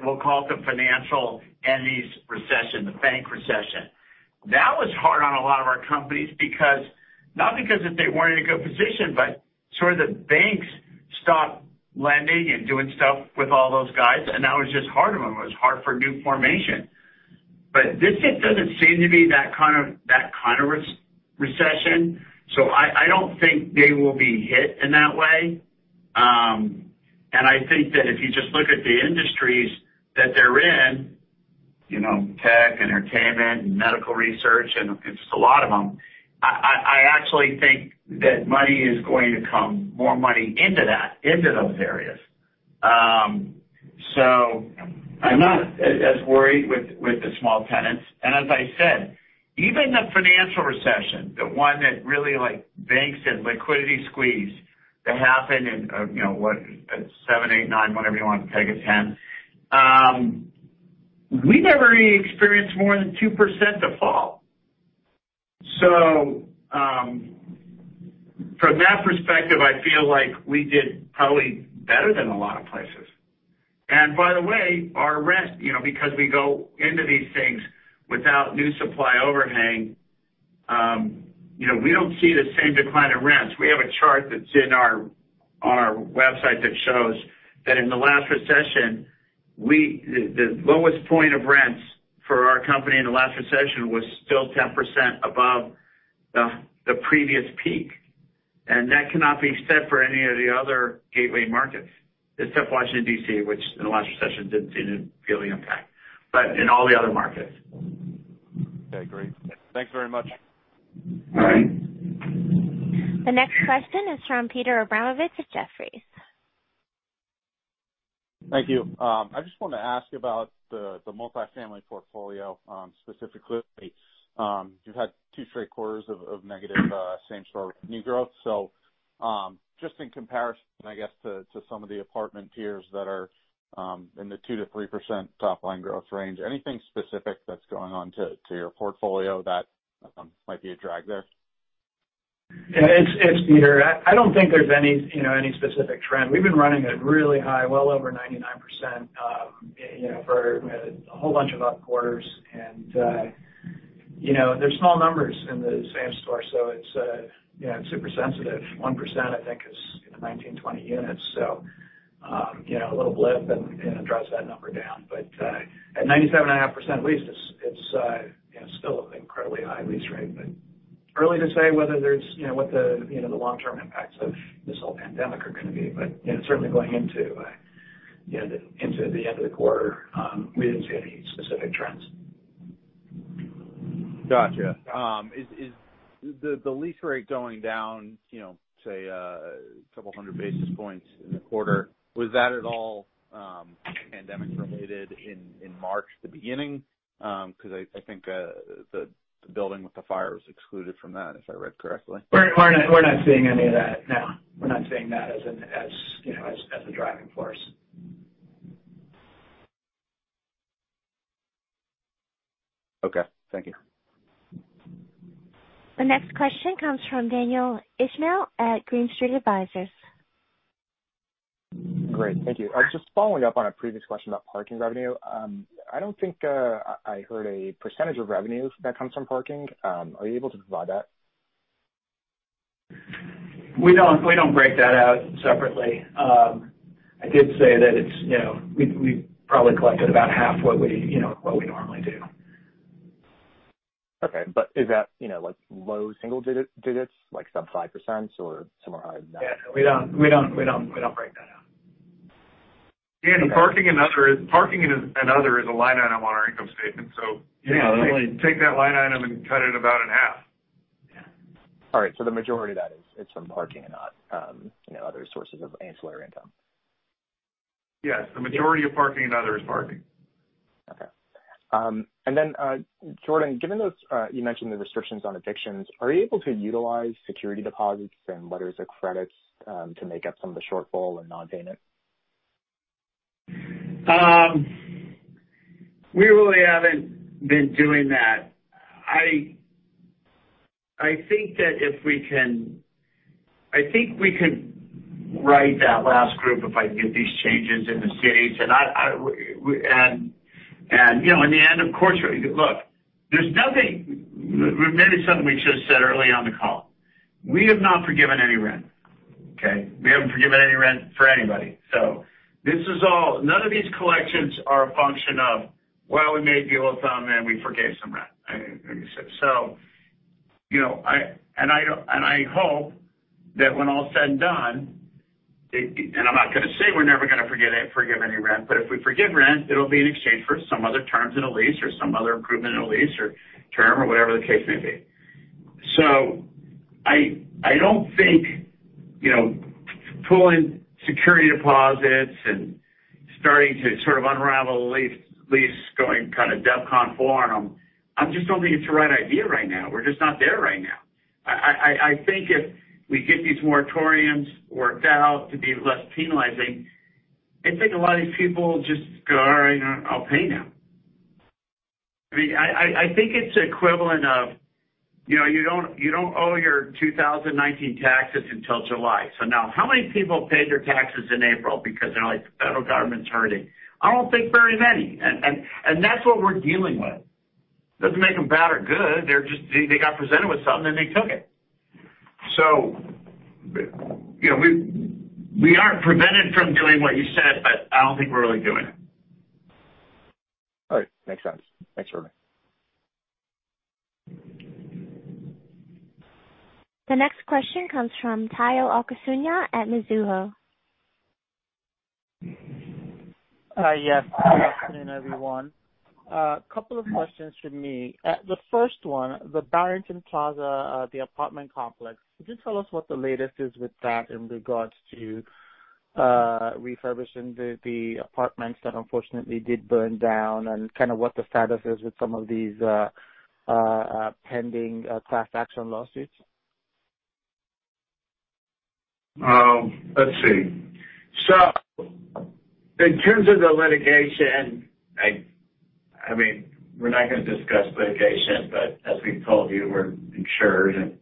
we'll call it the financial entities recession, the bank recession. That was hard on a lot of our companies, not because they weren't in a good position, but the banks stopped lending and doing stuff with all those guys, and that was just hard on them. It was hard for new formation. This just doesn't seem to be that kind of recession, I don't think they will be hit in that way. I think that if you just look at the industries that they're in, tech, entertainment, and medical research, and it's a lot of them, I actually think that money is going to come, more money into those areas. I'm not as worried with the small tenants. As I said, even the financial recession, the one that really banks and liquidity squeeze that happened in what, 2007, 2008, 2009, whenever you want to peg it, 2010. We never really experienced more than 2% to fall. From that perspective, I feel like we did probably better than a lot of places. By the way, our rent, because we go into these things without new supply overhang, we don't see the same decline in rents. We have a chart that's in our website that shows that in the last recession, the lowest point of rents for our company in the last recession was still 10% above the previous peak. That cannot be said for any of the other gateway markets, except Washington, D.C., which in the last recession did see the impact. In all the other markets. I agree. Thanks very much. The next question is from Peter Abramowitz at Jefferies. Thank you. I just want to ask about the multi-family portfolio, specifically. You've had two straight quarters of negative same-store new growth. Just in comparison, I guess, to some of the apartment peers that are in the 2%-3% top-line growth range, anything specific that's going on to your portfolio that might be a drag there? It's Peter. I don't think there's any specific trend. We've been running at really high, well over 99%. For a whole bunch of up quarters, and they're small numbers in the same store, so it's super sensitive. 1%, I think, is in the 19, 20 units. A little blip, and it drives that number down. At 97.5% lease, it's still an incredibly high lease rate. Early to say what the long-term impacts of this whole pandemic are going to be. Certainly going into the end of the quarter, we didn't see any specific trends. Got you. Is the lease rate going down, say, a couple hundred basis points in the quarter, was that at all pandemic-related in March, the beginning? I think the building with the fire was excluded from that, if I read correctly? We're not seeing any of that, no. We're not seeing that as a driving force. Thank you. The next question comes from Daniel Ismail at Green Street Advisors. Thank you. Just following up on a previous question about parking revenue. I don't think I heard a percentage of revenues that comes from parking. Are you able to provide that? We don't break that out separately. I did say that we probably collected about half what we normally do. Is that low single digits, like sub 5% or somewhere higher than that? We don't break that out. Danny, parking and other is a line item on our income statement take that line item and cut it about in half. All right. The majority of that is from parking and not other sources of ancillary income. The majority of parking and other is parking. Jordan, given you mentioned the restrictions on evictions, are you able to utilize security deposits and letters of credits to make up some of the shortfall in non-payment? We really haven't been doing that. I think we could right that last group if I can get these changes in the cities. In the end, of course, look, maybe this is something we should've said early on in the call. We have not forgiven any rent. Okay? We haven't forgiven any rent for anybody. None of these collections are a function of, well, we made deals with them, and we forgave some rent, like you said. I hope that when all is said and done, and I'm not going to say we're never going to forgive any rent, but if we forgive rent, it'll be in exchange for some other terms in a lease or some other improvement in a lease or term or whatever the case may be. I don't think pulling security deposits and starting to unravel the lease, going kind of DEFCON 4 on them, I just don't think it's the right idea right now. We're just not there right now. I think if we get these moratoriums worked out to be less penalizing, I think a lot of these people just go, "All right. I'll pay now." I think it's the equivalent of you don't owe your 2019 taxes until July. Now, how many people paid their taxes in April because they're like, "The federal government's hurting?" I don't think very many, and that's what we're dealing with. Doesn't make them bad or good. They got presented with something, and they took it. We aren't prevented from doing what you said, but I don't think we're really doing it. All right. Makes sense. Thanks, Jordan. The next question comes from Tayo Okusanya at Mizuho. Good afternoon, everyone. A couple of questions from me. The first one, the Barrington Plaza, the apartment complex. Could you tell us what the latest is with that in regards to refurbishing the apartments that unfortunately did burn down and kind of what the status is with some of these pending class action lawsuits? Let's see. In terms of the litigation, we're not going to discuss litigation, but as we've told you, we're insured.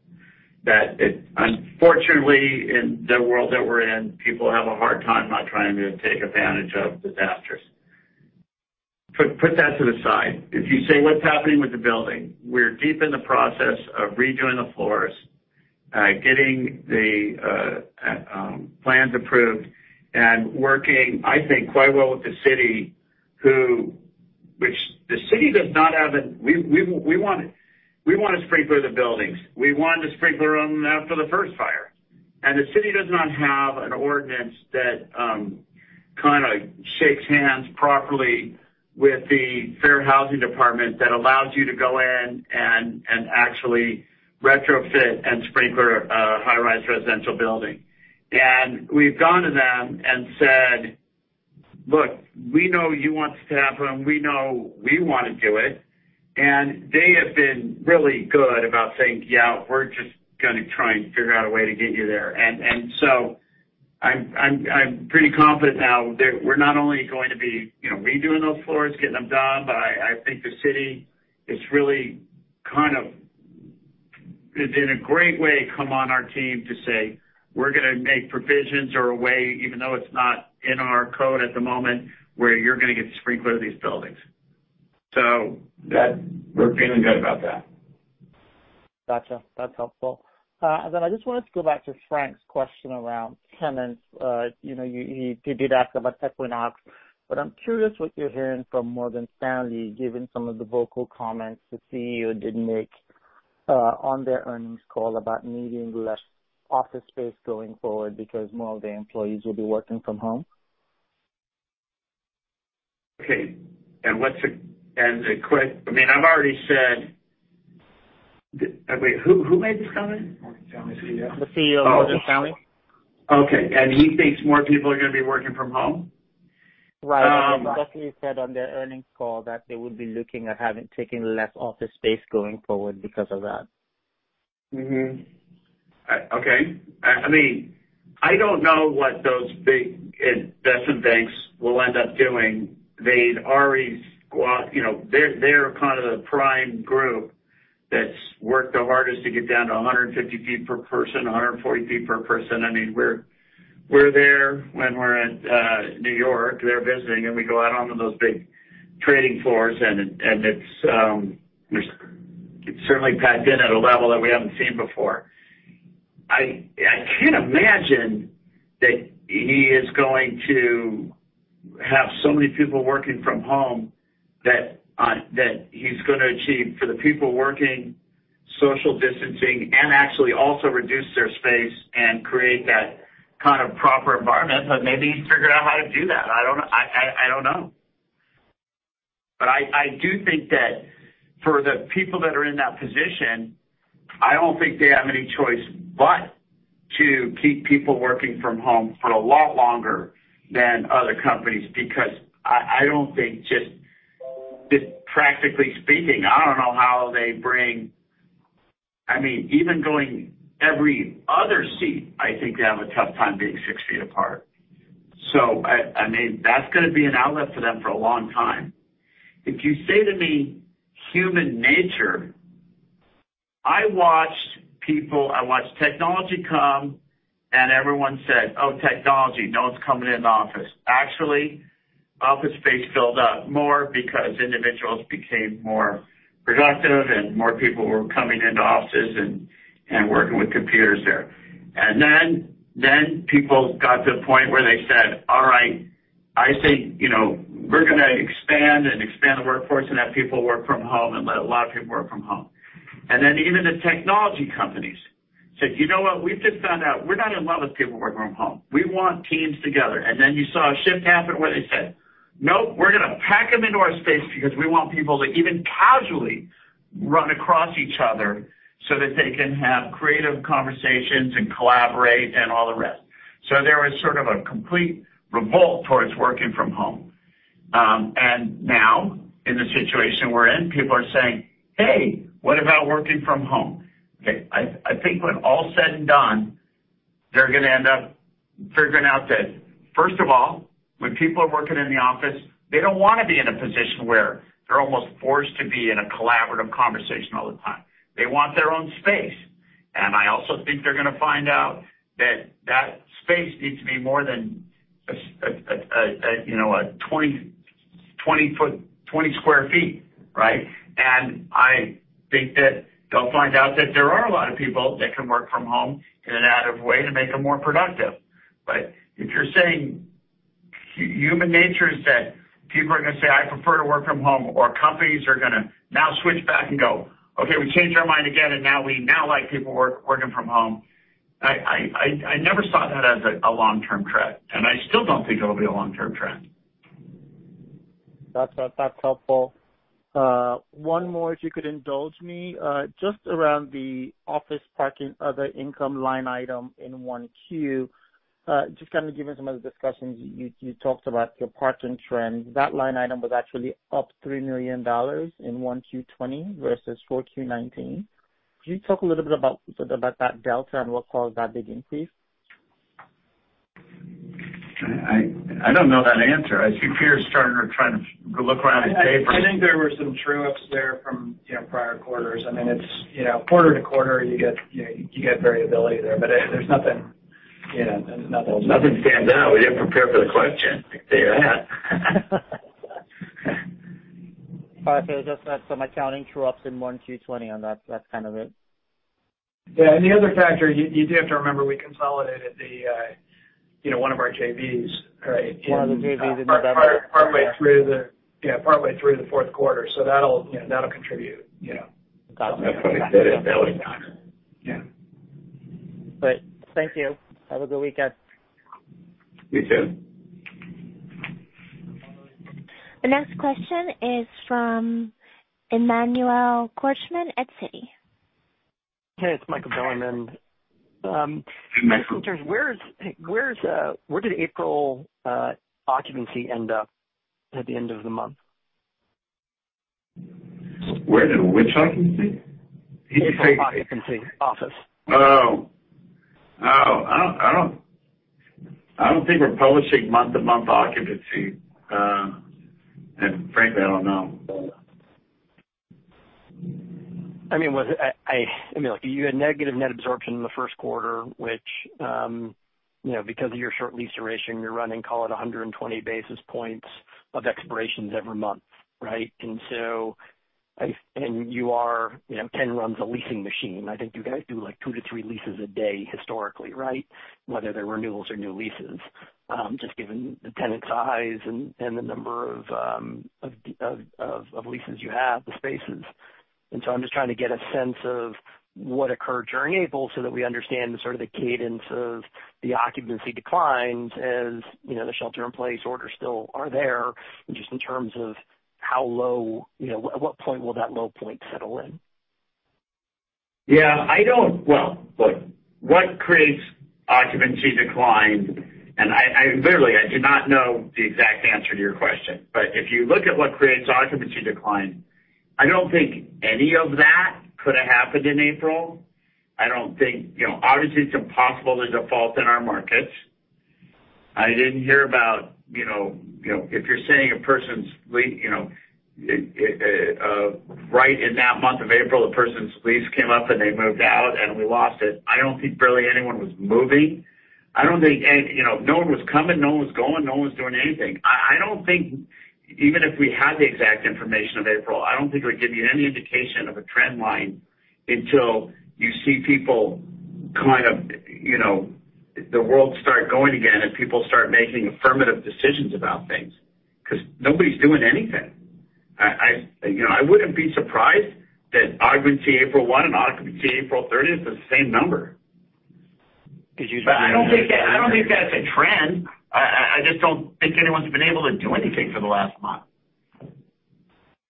Unfortunately, in the world that we're in, people have a hard time not trying to take advantage of disasters. Put that to the side. If you say, what's happening with the building, we're deep in the process of redoing the floors, getting the plans approved, and working, I think, quite well with the city. We want to sprinkler the buildings. We wanted to sprinkler them after the first fire. The city does not have an ordinance that kind of shakes hands properly with the Fair Housing Department that allows you to go in and actually retrofit and sprinkler a high-rise residential building. We've gone to them and said, "Look, we know you want us to have them. We know we want to do it." They have been really good about saying, "Yeah, we're just going to try and figure out a way to get you there." I'm pretty confident now that we're not only going to be redoing those floors, getting them done, but I think the city is really kind of. It's been a great way to come on our team to say, we're going to make provisions or a way, even though it's not in our code at the moment, where you're going to get sprinkler these buildings. We're feeling good about that. That's helpful. I just wanted to go back to Frank's question around tenants. You did ask about Equinox, but I'm curious what you're hearing from Morgan Stanley, given some of the vocal comments the CEO did make on their earnings call about needing less office space going forward because more of the employees will be working from home. I mean, I've already said. Wait, who made this comment? Morgan Stanley CEO. The CEO of Morgan Stanley. He thinks more people are going to be working from home? Because he said on their earnings call that they would be looking at taking less office space going forward because of that. I don't know what those big investment banks will end up doing. They're kind of the prime group that's worked the hardest to get down to 150 ft per person, 140 ft per person. We're there when we're at New York. They're visiting, we go out onto those big trading floors, it's certainly packed in at a level that we haven't seen before. I can't imagine that he is going to have so many people working from home that he's going to achieve for the people working social distancing and actually also reduce their space and create that kind of proper environment. Maybe he figured out how to do that. I don't know. I do think that for the people that are in that position, I don't think they have any choice but to keep people working from home for a lot longer than other companies, because I don't think practically speaking, I don't know how they bring, I mean, even going every other seat, I think they have a tough time being 6 ft apart. That's going to be an outlet for them for a long time. If you say to me, human nature, I watched technology come, and everyone said, "Oh, technology. No one's coming in the office." Actually, office space filled up more because individuals became more productive and more people were coming into offices and working with computers there. People got to a point where they said, "All right, I think we're going to expand and expand the workforce and have people work from home and let a lot of people work from home." Even the technology companies said, "You know what? We've just found out we're not in love with people working from home. We want teams together." You saw a shift happen where they said, "No, we're going to pack them into our space because we want people to even casually run across each other so that they can have creative conversations and collaborate and all the rest." There was sort of a complete revolt towards working from home. Now in the situation we're in, people are saying, "Hey, what about working from home?" I think when all is said and done, they're going to end up figuring out that, first of all, when people are working in the office, they don't want to be in a position where they're almost forced to be in a collaborative conversation all the time. They want their own space. I also think they're going to find out that that space needs to be more than 20 sq ft, right? I think that they'll find out that there are a lot of people that can work from home in an out of way to make them more productive. If you're saying human nature is that people are going to say, "I prefer to work from home," or companies are going to now switch back and go, "Okay, we changed our mind again, and now we now like people working from home." I never saw that as a long-term trend, and I still don't think it'll be a long-term trend. That's helpful. One more if you could indulge me, just around the office parking other income line item in 1Q. Just kind of given some of the discussions you talked about your parking trends. That line item was actually up $3 million in 1Q 2020 versus 4Q 2019. Could you talk a little bit about that delta and what caused that big increase? I don't know that answer. I see Peter trying to look around at papers. I think there were some true-ups there from prior quarters. I mean, quarter-to-quarter, you get variability there, but there's nothing- Nothing stands out. We didn't prepare for the question, I can tell you that. All right. Just some accounting true-ups in 1Q 2020, and that's kind of it. The other factor you do have to remember, we consolidated one of our JVs- One of the JVs in November. partway through the fourth quarter. That'll contribute. Thank you. Have a good weekend. You too. The next question is from Emmanuel Korchman at Citi. Hey, it's Michael Bilerman. Where did April occupancy end up at the end of the month? Where did which occupancy? Occupancy office. I don't think we're publishing month-to-month occupancy. Frankly, I don't know. You had negative net absorption in the first quarter, which, because of your short lease duration, you're running, call it 120 basis points of expirations every month. Right? Ken runs a leasing machine. I think you guys do two to three leases a day historically, right? Whether they're renewals or new leases, just given the tenant size and the number of leases you have, the spaces. I'm just trying to get a sense of what occurred during April so that we understand the sort of the cadence of the occupancy declines as the shelter-in-place orders still are there, just in terms of at what point will that low point settle in? Well, look, what creates occupancy decline, and literally, I do not know the exact answer to your question, but if you look at what creates occupancy decline, I don't think any of that could have happened in April. Obviously, it's impossible to default in our markets. If you're saying right in that month of April, a person's lease came up and they moved out and we lost it, I don't think barely anyone was moving. No one was coming, no one was going, no one was doing anything. Even if we had the exact information of April, I don't think it would give you any indication of a trend line until you see the world start going again, and people start making affirmative decisions about things, because nobody's doing anything. I wouldn't be surprised that occupancy April 1 and occupancy April 30th is the same number. I don't think that's a trend. I just don't think anyone's been able to do anything for the last month.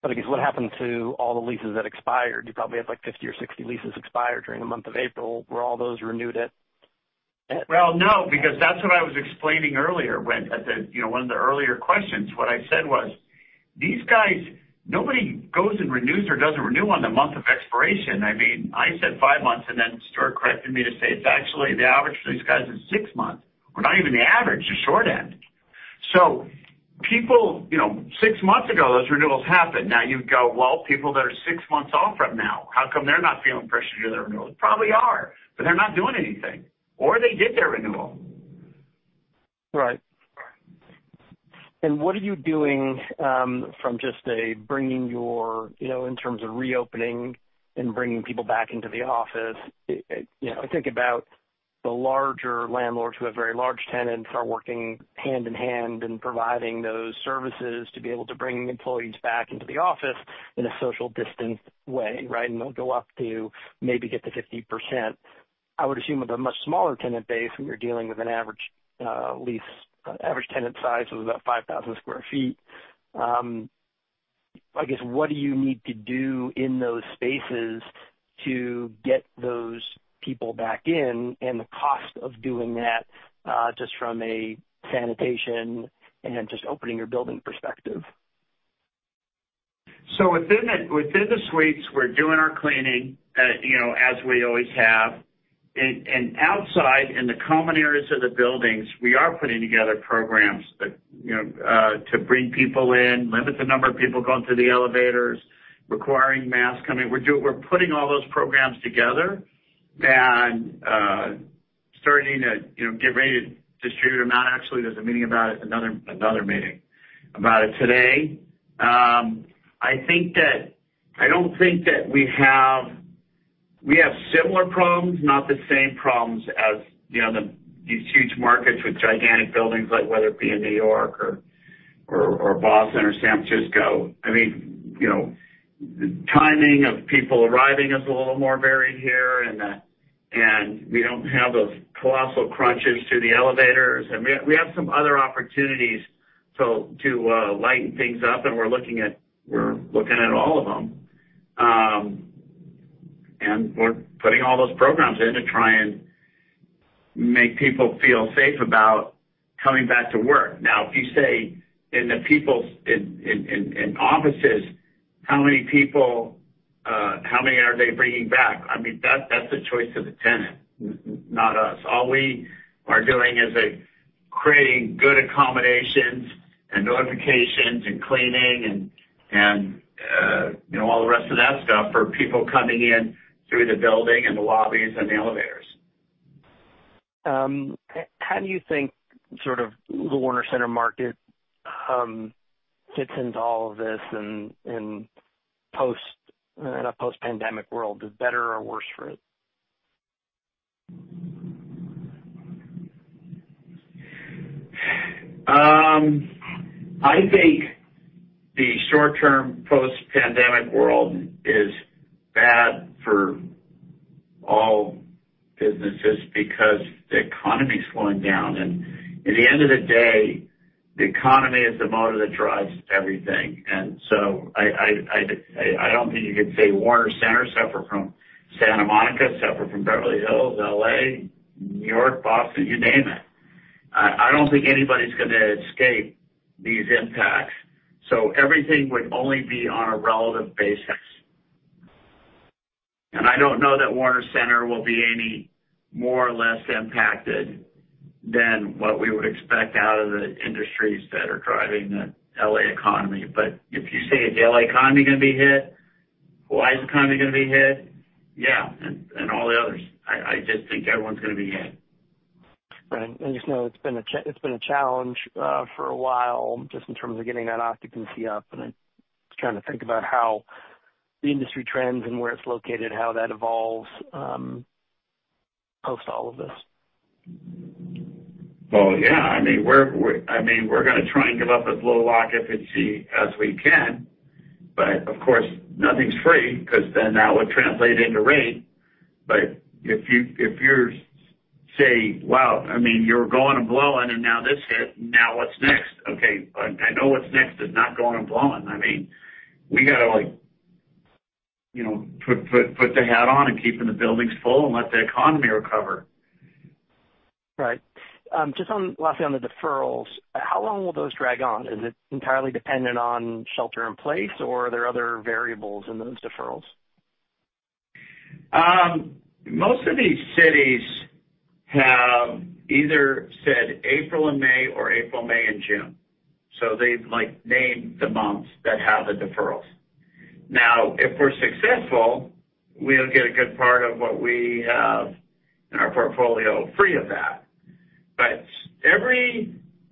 I guess, what happened to all the leases that expired? You probably had 50 or 60 leases expire during the month of April. Were all those renewed at- Well, no, that's what I was explaining earlier at one of the earlier questions. What I said was, nobody goes and renews or doesn't renew on the month of expiration. I said five months, then Stuart corrected me to say, it's actually the average for these guys is six months, or not even the average, the short end. Six months ago, those renewals happened. You go, well, people that are six months off from now, how come they're not feeling pressure to do their renewals? They probably are, but they're not doing anything, or they did their renewal. What are you doing in terms of reopening and bringing people back into the office? I think about the larger landlords who have very large tenants are working hand-in-hand in providing those services to be able to bring employees back into the office in a social distanced way, right? They'll go up to maybe get to 50%. I would assume with a much smaller tenant base, when you're dealing with an average tenant size of about 5,000 sq ft, I guess, what do you need to do in those spaces to get those people back in, and the cost of doing that, just from a sanitation and just opening your building perspective? Within the suites, we're doing our cleaning, as we always have. Outside, in the common areas of the buildings, we are putting together programs to bring people in, limit the number of people going through the elevators, requiring masks. We're putting all those programs together and starting to get ready to distribute them out. Actually, there's another meeting about it today. I don't think that we have similar problems, not the same problems as these huge markets with gigantic buildings, like whether it be in New York or Boston or San Francisco. The timing of people arriving is a little more varied here, and we don't have those colossal crunches to the elevators, and we have some other opportunities to lighten things up, and we're looking at all of them. We're putting all those programs in to try and make people feel safe about coming back to work. If you say in offices, how many are they bringing back? That's the choice of the tenant, not us. We are doing is creating good accommodations and notifications and cleaning and all the rest of that stuff for people coming in through the building and the lobbies and the elevators. How do you think the Warner Center market fits into all of this in a post-pandemic world? Is it better or worse for it? I think the short-term post-pandemic world is bad for all businesses because the economy is slowing down. At the end of the day, the economy is the motor that drives everything. I don't think you could say Warner Center separate from Santa Monica, separate from Beverly Hills, L.A., New York, Boston, you name it. I don't think anybody's going to escape these impacts. Everything would only be on a relative basis. I don't know that Warner Center will be any more or less impacted than what we would expect out of the industries that are driving the L.A. economy. If you say, is the L.A. economy going to be hit? Hawaii's economy going to be hit? All the others. I just think everyone's going to be hit. I just know it's been a challenge for a while just in terms of getting that occupancy up, and I'm trying to think about how the industry trends and where it's located, how that evolves post all of this? Well. We're going to try and give up as low occupancy as we can, but of course, nothing's free because then that would translate into rate. If you say, wow, you were going and blowing, and now this hit, now what's next? Okay, I know what's next is not going and blowing. We got to put the hat on and keeping the buildings full and let the economy recover. Just lastly on the deferrals, how long will those drag on? Is it entirely dependent on shelter in place, or are there other variables in those deferrals? Most of these cities have either said April and May or April, May, and June. They've named the months that have the deferrals.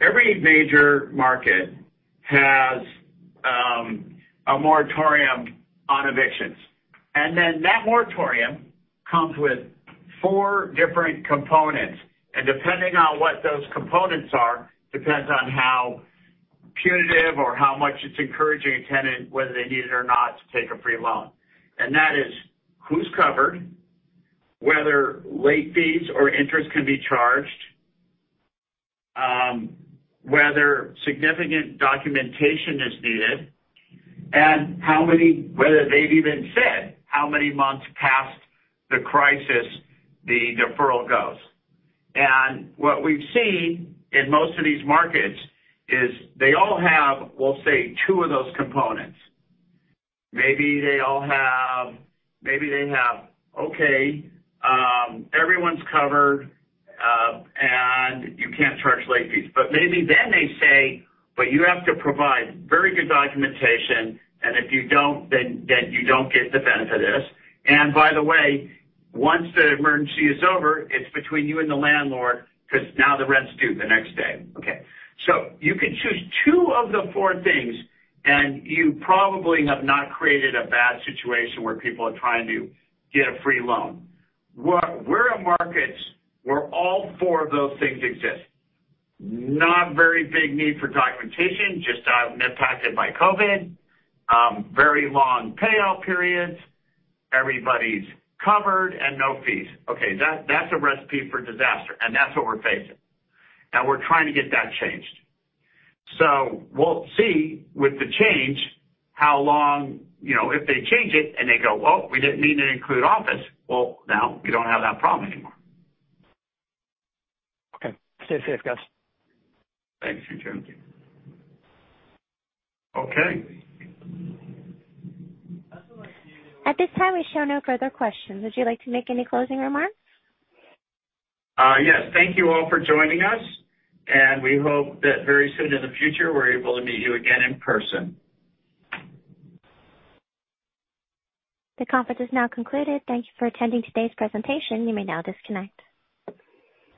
Every major market has a moratorium on evictions. That moratorium comes with four different components, and depending on what those components are depends on how punitive or how much it's encouraging a tenant, whether they need it or not, to take a free loan. That is who's covered, whether late fees or interest can be charged, whether significant documentation is needed, and whether they've even said how many months past the crisis the deferral goes. What we've seen in most of these markets is they all have, we'll say, two of those components. Maybe they have, okay, everyone's covered, and you can't charge late fees. Maybe then they say, but you have to provide very good documentation, and if you don't, then you don't get the benefit of this. By the way, once the emergency is over, it's between you and the landlord because now the rent's due the next day. You could choose two of the four things, and you probably have not created a bad situation where people are trying to get a free loan. Where are markets where all four of those things exist? Not very big need for documentation, just impacted by COVID. Very long payoff periods. Everybody's covered and no fees. Okay, that's a recipe for disaster, and that's what we're facing. Now we're trying to get that changed. We'll see with the change if they change it and they go, "Oh, we didn't mean to include office." Well, now we don't have that problem anymore. Stay safe, guys. Thanks. At this time, we show no further questions. Would you like to make any closing remarks? Yes. Thank you all for joining us, and we hope that very soon in the future, we're able to meet you again in person. The conference is now concluded. Thank you for attending today's presentation. You may now disconnect.